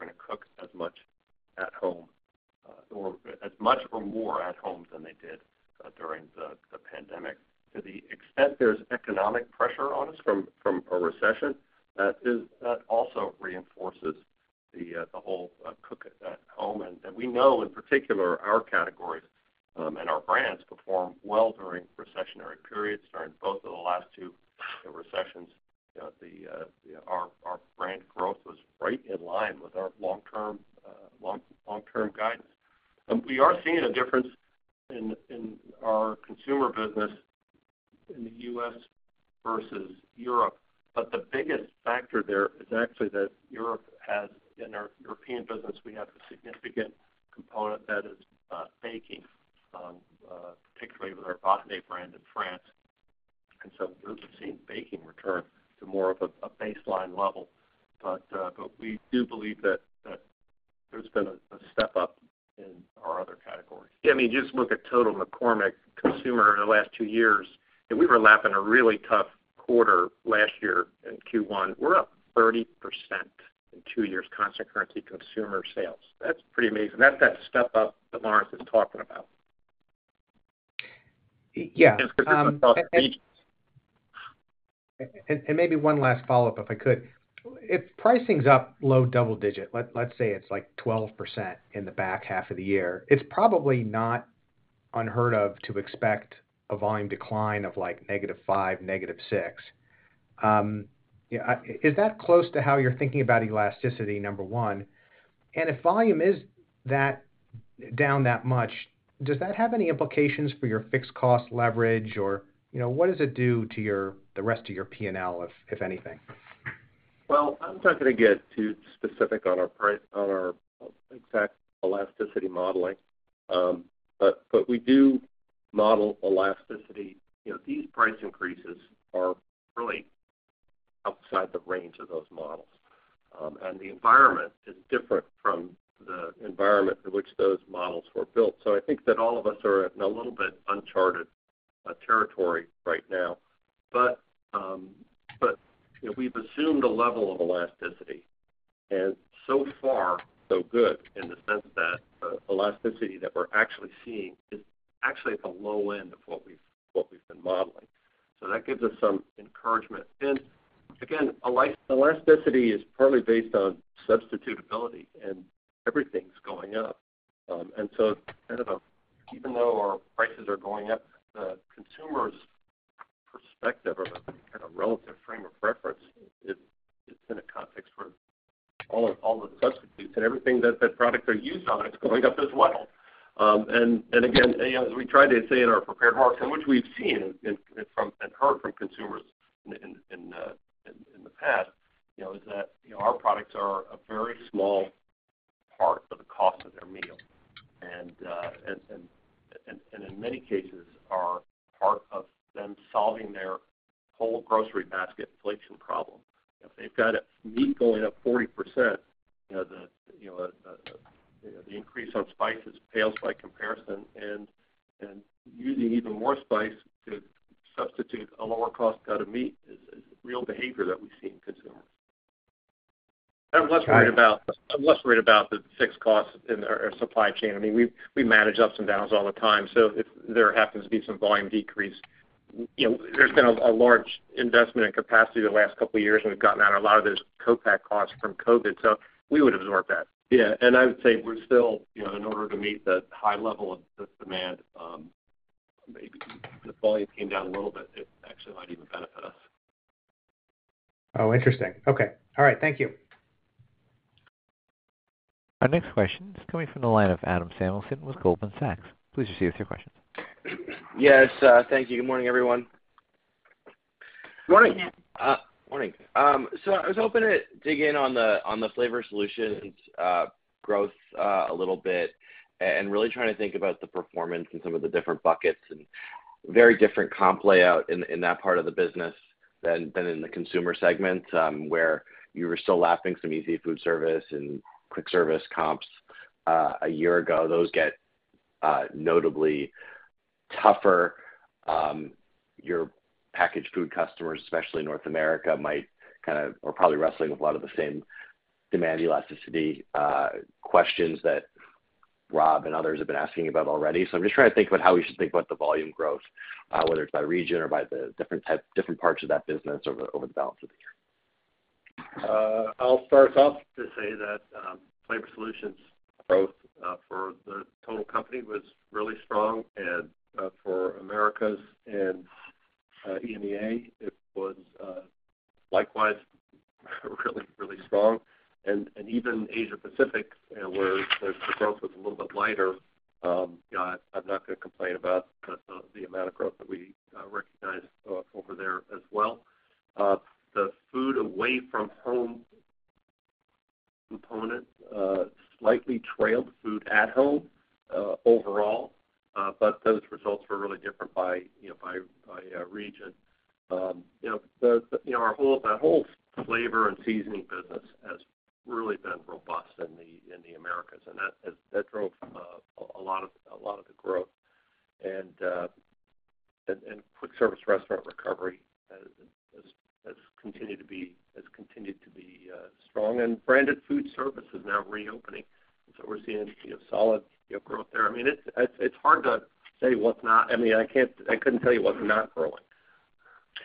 that down that much, does that have any implications for your fixed cost leverage or, you know, what does it do to your, the rest of your P&L if anything?
Well, I'm not gonna get too specific on our exact elasticity modeling, but we do model elasticity. You know, these price increases are really outside the range of those models, and the environment is different from the environment in which those models were built. I think that all of us are in a little bit uncharted territory right now. You know, we've assumed a level of elasticity, and so far so good in the sense that the elasticity that we're actually seeing is actually at the low end of what we've been modeling. That gives us some encouragement. Again, elasticity is partly based on substitutability, and everything's going up. Even though our prices are going up, the consumer's perspective or the kind of relative frame of reference is in a context where all the substitutes and everything that products are used on is going up as well. Again, you know, as we tried to say in our prepared remarks, which we've seen and heard from consumers in the past, you know, is that, you know, our products are a very small part of the cost of their meal and in many cases are part of them solving their whole grocery basket inflation problem. If they've got meat going up 40%, you know, the increase on spices pales by comparison. Using even more spice to substitute a lower cost cut of meat is real behavior that we see in consumers.
I'm less worried about the fixed costs in our supply chain. I mean, we manage ups and downs all the time. If there happens to be some volume decrease, you know, there's been a large investment in capacity the last couple of years, and we've gotten out a lot of those co-pack costs from COVID. We would absorb that.
Yeah. I would say we're still, you know, in order to meet the high level of the demand, maybe if the volume came down a little bit, it actually might even benefit us.
Oh, interesting. Okay. All right. Thank you.
Our next question is coming from the line of Adam Samuelson with Goldman Sachs. Please proceed with your questions.
Yes, thank you. Good morning, everyone.
Morning.
Morning. I was hoping to dig in on the Flavor Solutions growth a little bit and really trying to think about the performance in some of the different buckets and very different comp layout in that part of the business than in the Consumer segment, where you were still lapping some easy food service and quick service comps a year ago. Those get notably tougher. Your packaged food customers, especially in North America, are probably wrestling with a lot of the same demand elasticity questions that Rob and others have been asking about already. I'm just trying to think about how we should think about the volume growth, whether it's by region or by the different type, different parts of that business over the balance of the year.
I'll start off to say that Flavor Solutions growth for the total company was really strong, and for Americas and EMEA, it was likewise really strong. Even Asia Pacific, you know, where the growth was a little bit lighter, I'm not gonna complain about the amount of growth that we recognized over there as well. The food away from home component slightly trailed food at home overall. Those results were really different by region. You know, our whole flavor and seasoning business has really been robust in the Americas, and that drove a lot of the growth. Quick service restaurant recovery has continued to be strong. Branded food service is now reopening, so we're seeing, you know, solid, you know, growth there. I mean, it's hard to say what's not. I mean, I couldn't tell you what's not growing.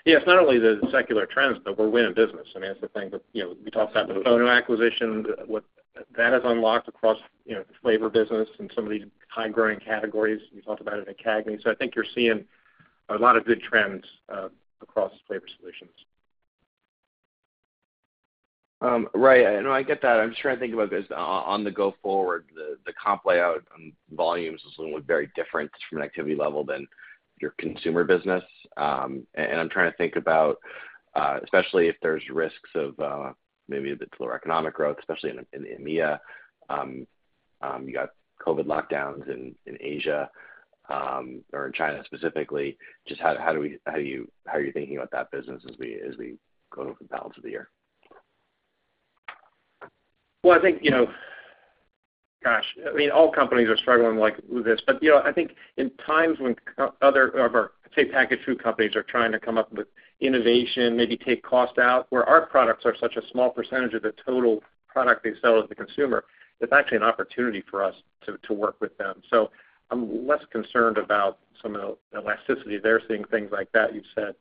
Yeah. It's not only the secular trends, but we're winning business. I mean, that's the thing that, you know, we talked about with the FONA acquisition, what that has unlocked across, you know, the flavor business and some of these high-growth categories. We talked about it at CAGNY. I think you're seeing a lot of good trends across Flavor Solutions.
Right. No, I get that. I'm just trying to think about this on the go forward. The comp layout on volumes is looking very different from an activity level than your Consumer business. And I'm trying to think about especially if there's risks of maybe a bit lower economic growth, especially in EMEA. You got COVID lockdowns in Asia or in China specifically. Just how are you thinking about that business as we go through the balance of the year?
Well, I think, you know. Gosh, I mean, all companies are struggling, like, with this. You know, I think in times when other of our, say, packaged food companies are trying to come up with innovation, maybe take cost out, where our products are such a small percentage of the total product they sell to the consumer, it's actually an opportunity for us to work with them. I'm less concerned about some of the elasticity they're seeing, things like that you've said.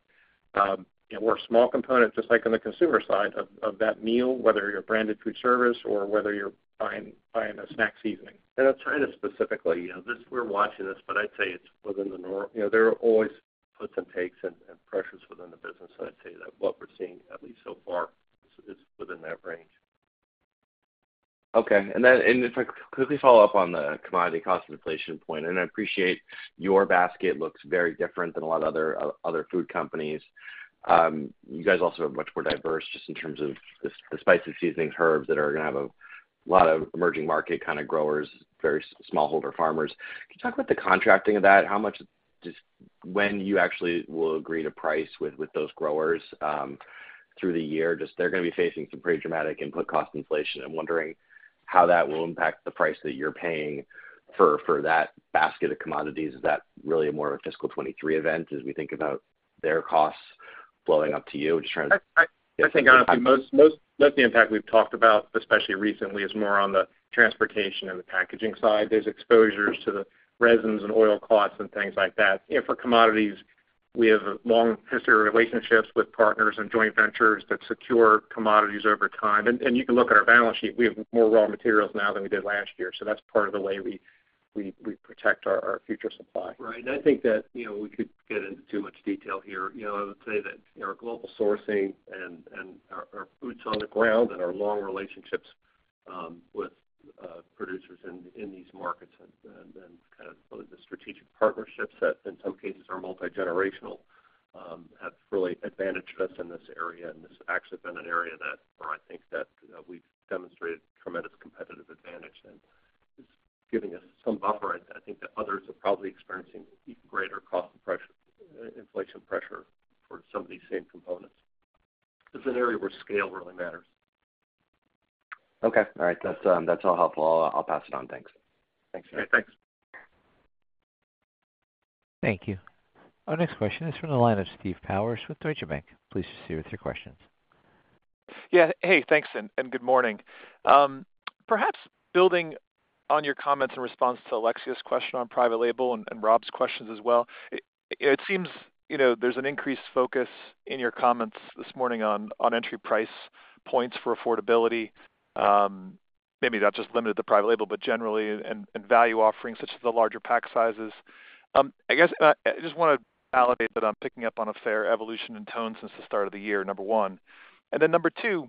You know, we're a small component, just like on the consumer side of that meal, whether you're branded food service or whether you're buying a snack seasoning.
In China specifically, you know, this, we're watching this, but I'd say it's within the norm. You know, there are always puts and takes and pressures within the business, so I'd say that what we're seeing, at least so far, is within that range.
Okay. If I could we follow up on the commodity cost inflation point? I appreciate your basket looks very different than a lot of other food companies. You guys also are much more diverse just in terms of the spice and seasoning herbs that are gonna have a lot of emerging market kinda growers, very small holder farmers. Can you talk about the contracting of that? Just when you actually will agree to price with those growers through the year? They're gonna be facing some pretty dramatic input cost inflation. I'm wondering how that will impact the price that you're paying for that basket of commodities. Is that really more of a fiscal 2023 event as we think about their costs flowing up to you? Just trying to-
I think honestly, most of the impact we've talked about, especially recently, is more on the transportation and the packaging side. There's exposures to the resins and oil costs and things like that. You know, for commodities, we have long history relationships with partners and joint ventures that secure commodities over time. You can look at our balance sheet. We have more raw materials now than we did last year, so that's part of the way we protect our future supply.
Right. I think that, you know, we could get into too much detail here. You know, I would say that, you know, our global sourcing and our boots on the ground and our long relationships with producers in these markets and kind of the strategic partnerships that in some cases are multigenerational have really advantaged us in this area. This has actually been an area that where I think that, you know, we've demonstrated tremendous competitive advantage and is giving us some buffer. I think that others are probably experiencing even greater cost pressure, inflation pressure for some of these same components. This is an area where scale really matters.
Okay. All right. That's all helpful. I'll pass it on. Thanks.
Thanks.
Okay, thanks.
Thank you. Our next question is from the line of Steve Powers with Deutsche Bank. Please proceed with your questions.
Yeah. Hey, thanks, and good morning. Perhaps building on your comments in response to Alexia's question on private label and Rob's questions as well, it seems, you know, there's an increased focus in your comments this morning on entry price points for affordability, maybe not just limited to private label, but generally and value offerings such as the larger pack sizes. I guess, I just wanna validate that I'm picking up on a fair evolution in tone since the start of the year, number one. Number two,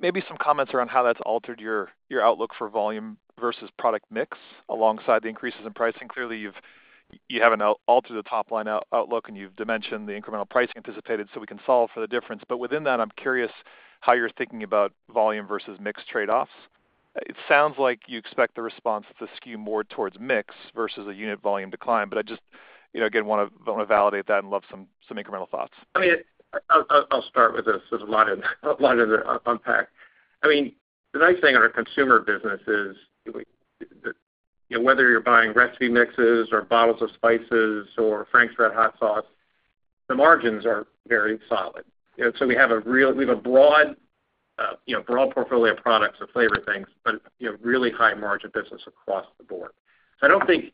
maybe some comments around how that's altered your outlook for volume versus product mix alongside the increases in pricing. Clearly, you haven't altered the top line outlook, and you've dimensioned the incremental pricing anticipated, so we can solve for the difference. Within that, I'm curious how you're thinking about volume versus mix trade-offs. It sounds like you expect the response to skew more towards mix versus a unit volume decline. I just, you know, again, wanna validate that and love some incremental thoughts.
I mean, I'll start with this. There's a lot in there unpacked. I mean, the nice thing in our Consumer business is we. You know, whether you're buying recipe mixes or bottles of spices or Frank's RedHot sauce, the margins are very solid. You know, so we have a broad portfolio of products and flavor things, but you know, really high margin business across the board. So I don't think,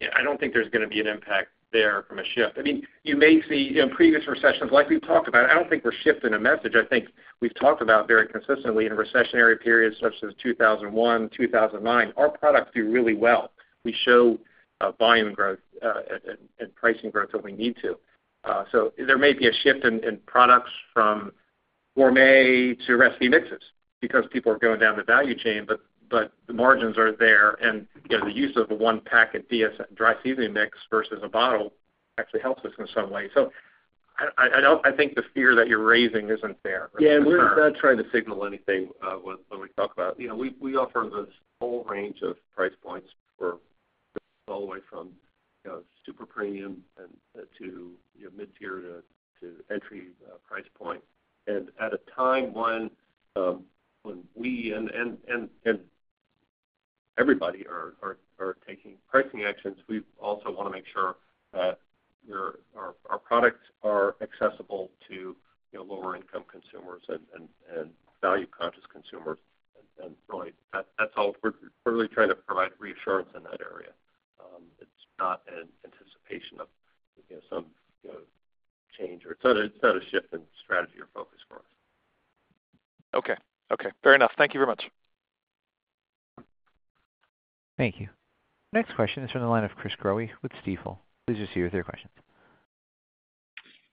you know, I don't think there's gonna be an impact there from a shift. I mean, you may see, you know, in previous recessions, like we've talked about, I don't think we're shifting a message. I think we've talked about very consistently in recessionary periods such as 2001, 2009, our products do really well. We show volume growth and pricing growth that we need to. So there may be a shift in products from gourmet to recipe mixes because people are going down the value chain, but the margins are there. You know, the use of the one packet DS dry seasoning mix versus a bottle actually helps us in some way. I think the fear that you're raising isn't fair.
Yeah. We're not trying to signal anything when we talk about. You know, we offer this whole range of price points from super premium to mid-tier to entry price point. At a time when we and everybody are taking pricing actions, we also wanna make sure that our products are accessible to, you know, lower income consumers and value-conscious consumers. Really, that's all we're really trying to provide reassurance in that area. It's not an anticipation of, you know, some, you know, change or it's not a shift in strategy or focus for us.
Okay, fair enough. Thank you very much.
Thank you. Next question is from the line of Chris Growe with Stifel. Please go ahead with your questions.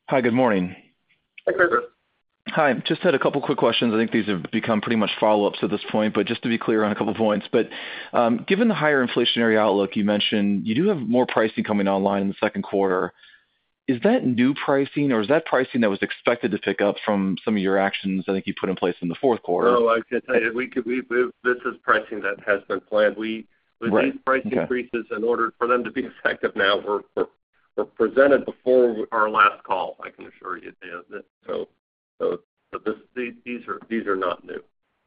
Hi, good morning.
Hi, Christopher.
Hi. Just had a couple quick questions. I think these have become pretty much follow-ups at this point, but just to be clear on a couple points. Given the higher inflationary outlook you mentioned, you do have more pricing coming online in the second quarter. Is that new pricing or is that pricing that was expected to pick up from some of your actions I think you put in place in the fourth quarter?
No, like I said, this is pricing that has been planned.
Right. Okay.
With these price increases, in order for them to be effective now, they were presented before our last call, I can assure you, so these are not new.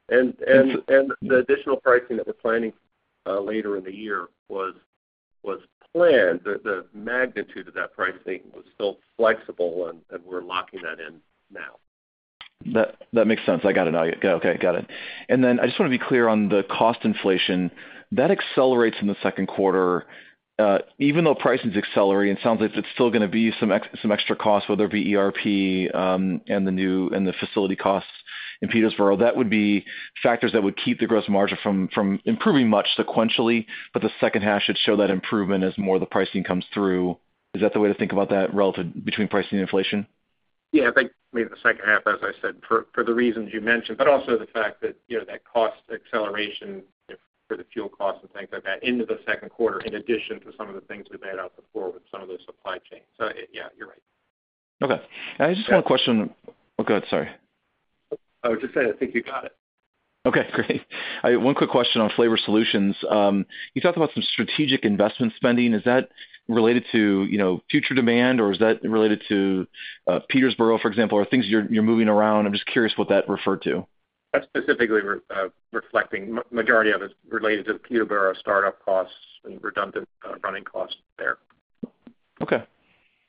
The additional pricing that we're planning later in the year was planned. The magnitude of that pricing was still flexible and we're locking that in now.
That makes sense. I got it now. Yeah, okay. Got it. Then I just wanna be clear on the cost inflation. That accelerates in the second quarter, even though prices accelerate, it sounds like it's still gonna be some extra costs, whether it be ERP, and the facility costs in Peterborough. That would be factors that would keep the gross margin from improving much sequentially, but the second half should show that improvement as more of the pricing comes through. Is that the way to think about that relative between pricing and inflation?
Yeah. I think maybe in the second half, as I said, for the reasons you mentioned, but also the fact that, you know, that cost acceleration for the fuel costs and things like that into the second quarter in addition to some of the things we've had out before with some of the supply chain. Yeah, you're right.
Okay. I just got a question. Oh, go ahead. Sorry.
I was just saying, I think you got it.
Okay, great. One quick question on Flavor solutions. You talked about some strategic investment spending. Is that related to, you know, future demand or is that related to, Peterborough, for example, or things you're moving around? I'm just curious what that referred to.
That's specifically reflecting majority of it's related to Peterborough startup costs and redundant running costs there.
Okay.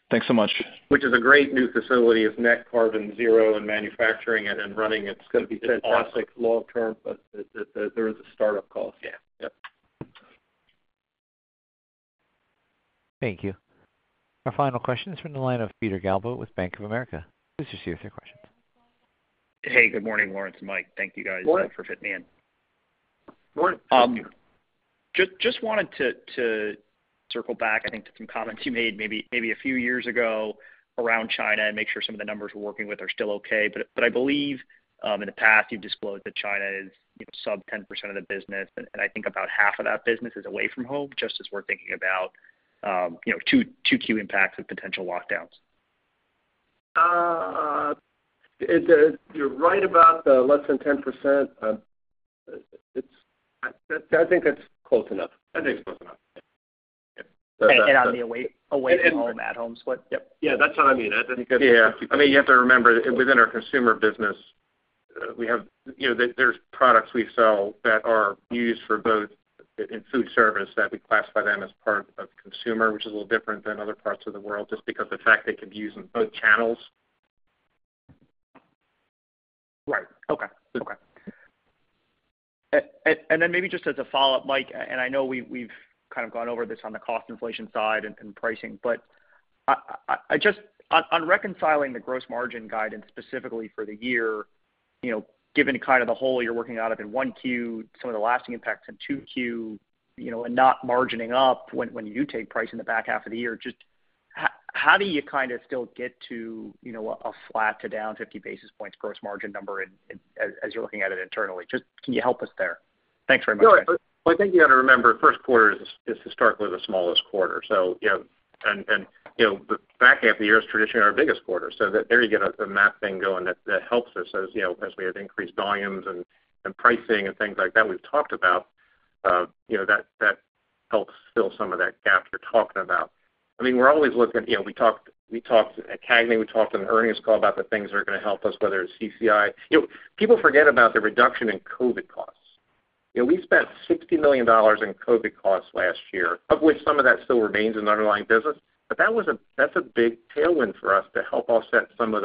Thanks so much.
Which is a great new facility. It's net carbon zero in manufacturing and in running. It's gonna be fantastic long term, but there is a start-up cost. Yeah. Yep.
Thank you. Our final question is from the line of Peter Galbo with Bank of America. Please proceed with your questions.
Hey, good morning, Lawrence and Mike. Thank you guys for fitting me in.
Morning.
Just wanted to circle back, I think, to some comments you made maybe a few years ago around China and make sure some of the numbers we're working with are still okay. I believe in the past you've disclosed that China is, you know, sub 10% of the business, and I think about half of that business is away from home, just as we're thinking about, you know, 2Q impacts of potential lockdowns.
You're right about the less than 10%. I think it's close enough. Yeah.
On the away from home, at home, what. Yep.
Yeah. That's what I mean.
Yeah. I mean, you have to remember within our Consumer business, we have you know, there's products we sell that are used for both in food service that we classify them as part of Consumer, which is a little different than other parts of the world just because the fact they could be used in both channels.
Right. Okay. Then maybe just as a follow-up, Mike, and I know we've kind of gone over this on the cost inflation side and in pricing, but I just on reconciling the gross margin guidance specifically for the year, you know, given kind of the hole you're working out of in 1Q, some of the lasting impacts in 2Q, you know, and not margining up when you take price in the back half of the year, just how do you kind of still get to, you know, a flat to down 50 basis points gross margin number in as you're looking at it internally? Just can you help us there? Thanks very much.
Well, I think you gotta remember, first quarter is historically the smallest quarter. You know, the back half of the year is traditionally our biggest quarter. There you get a math thing going that helps us as you know, as we have increased volumes and pricing and things like that we've talked about, you know, that helps fill some of that gap you're talking about. I mean, we're always looking. You know, we talked at CAGNY, we talked on the earnings call about the things that are gonna help us, whether it's CCI. You know, people forget about the reduction in COVID costs. You know, we spent $60 million in COVID costs last year, of which some of that still remains in the underlying business. That's a big tailwind for us to help offset some of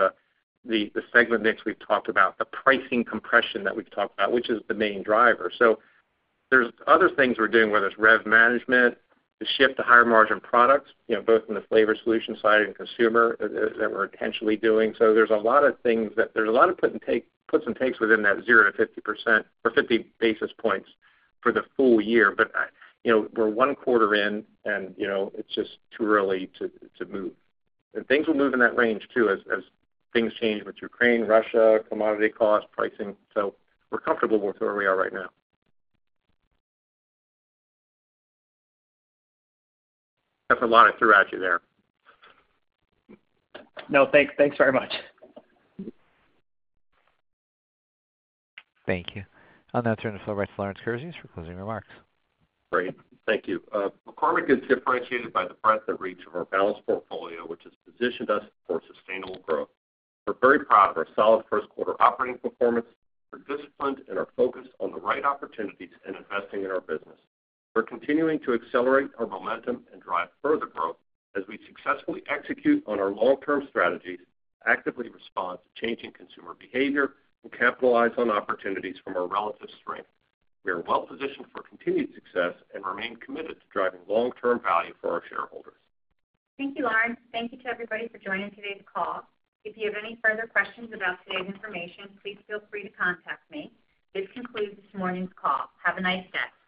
the segment mix we've talked about, the pricing compression that we've talked about, which is the main driver. There's other things we're doing, whether it's rev management, the shift to higher margin products, you know, both in the Flavor Solution side and Consumer that we're intentionally doing. There's a lot of puts and takes within that 0%-50% or 50 basis points for the full-year. You know, we're one quarter in and you know, it's just too early to move. Things will move in that range too as things change with Ukraine, Russia, commodity costs, pricing. We're comfortable with where we are right now. That's a lot I threw at you there.
No, thanks. Thanks very much.
Thank you. I'll now turn the floor back to Lawrence Kurzius for closing remarks.
Great. Thank you. McCormick is differentiated by the breadth and reach of our balanced portfolio, which has positioned us for sustainable growth. We're very proud of our solid first quarter operating performance. We're disciplined in our focus on the right opportunities and investing in our business. We're continuing to accelerate our momentum and drive further growth as we successfully execute on our long-term strategies, actively respond to changing consumer behavior, and capitalize on opportunities from our relative strength. We are well positioned for continued success and remain committed to driving long-term value for our shareholders.
Thank you, Lawrence. Thank you to everybody for joining today's call. If you have any further questions about today's information, please feel free to contact me. This concludes this morning's call. Have a nice day.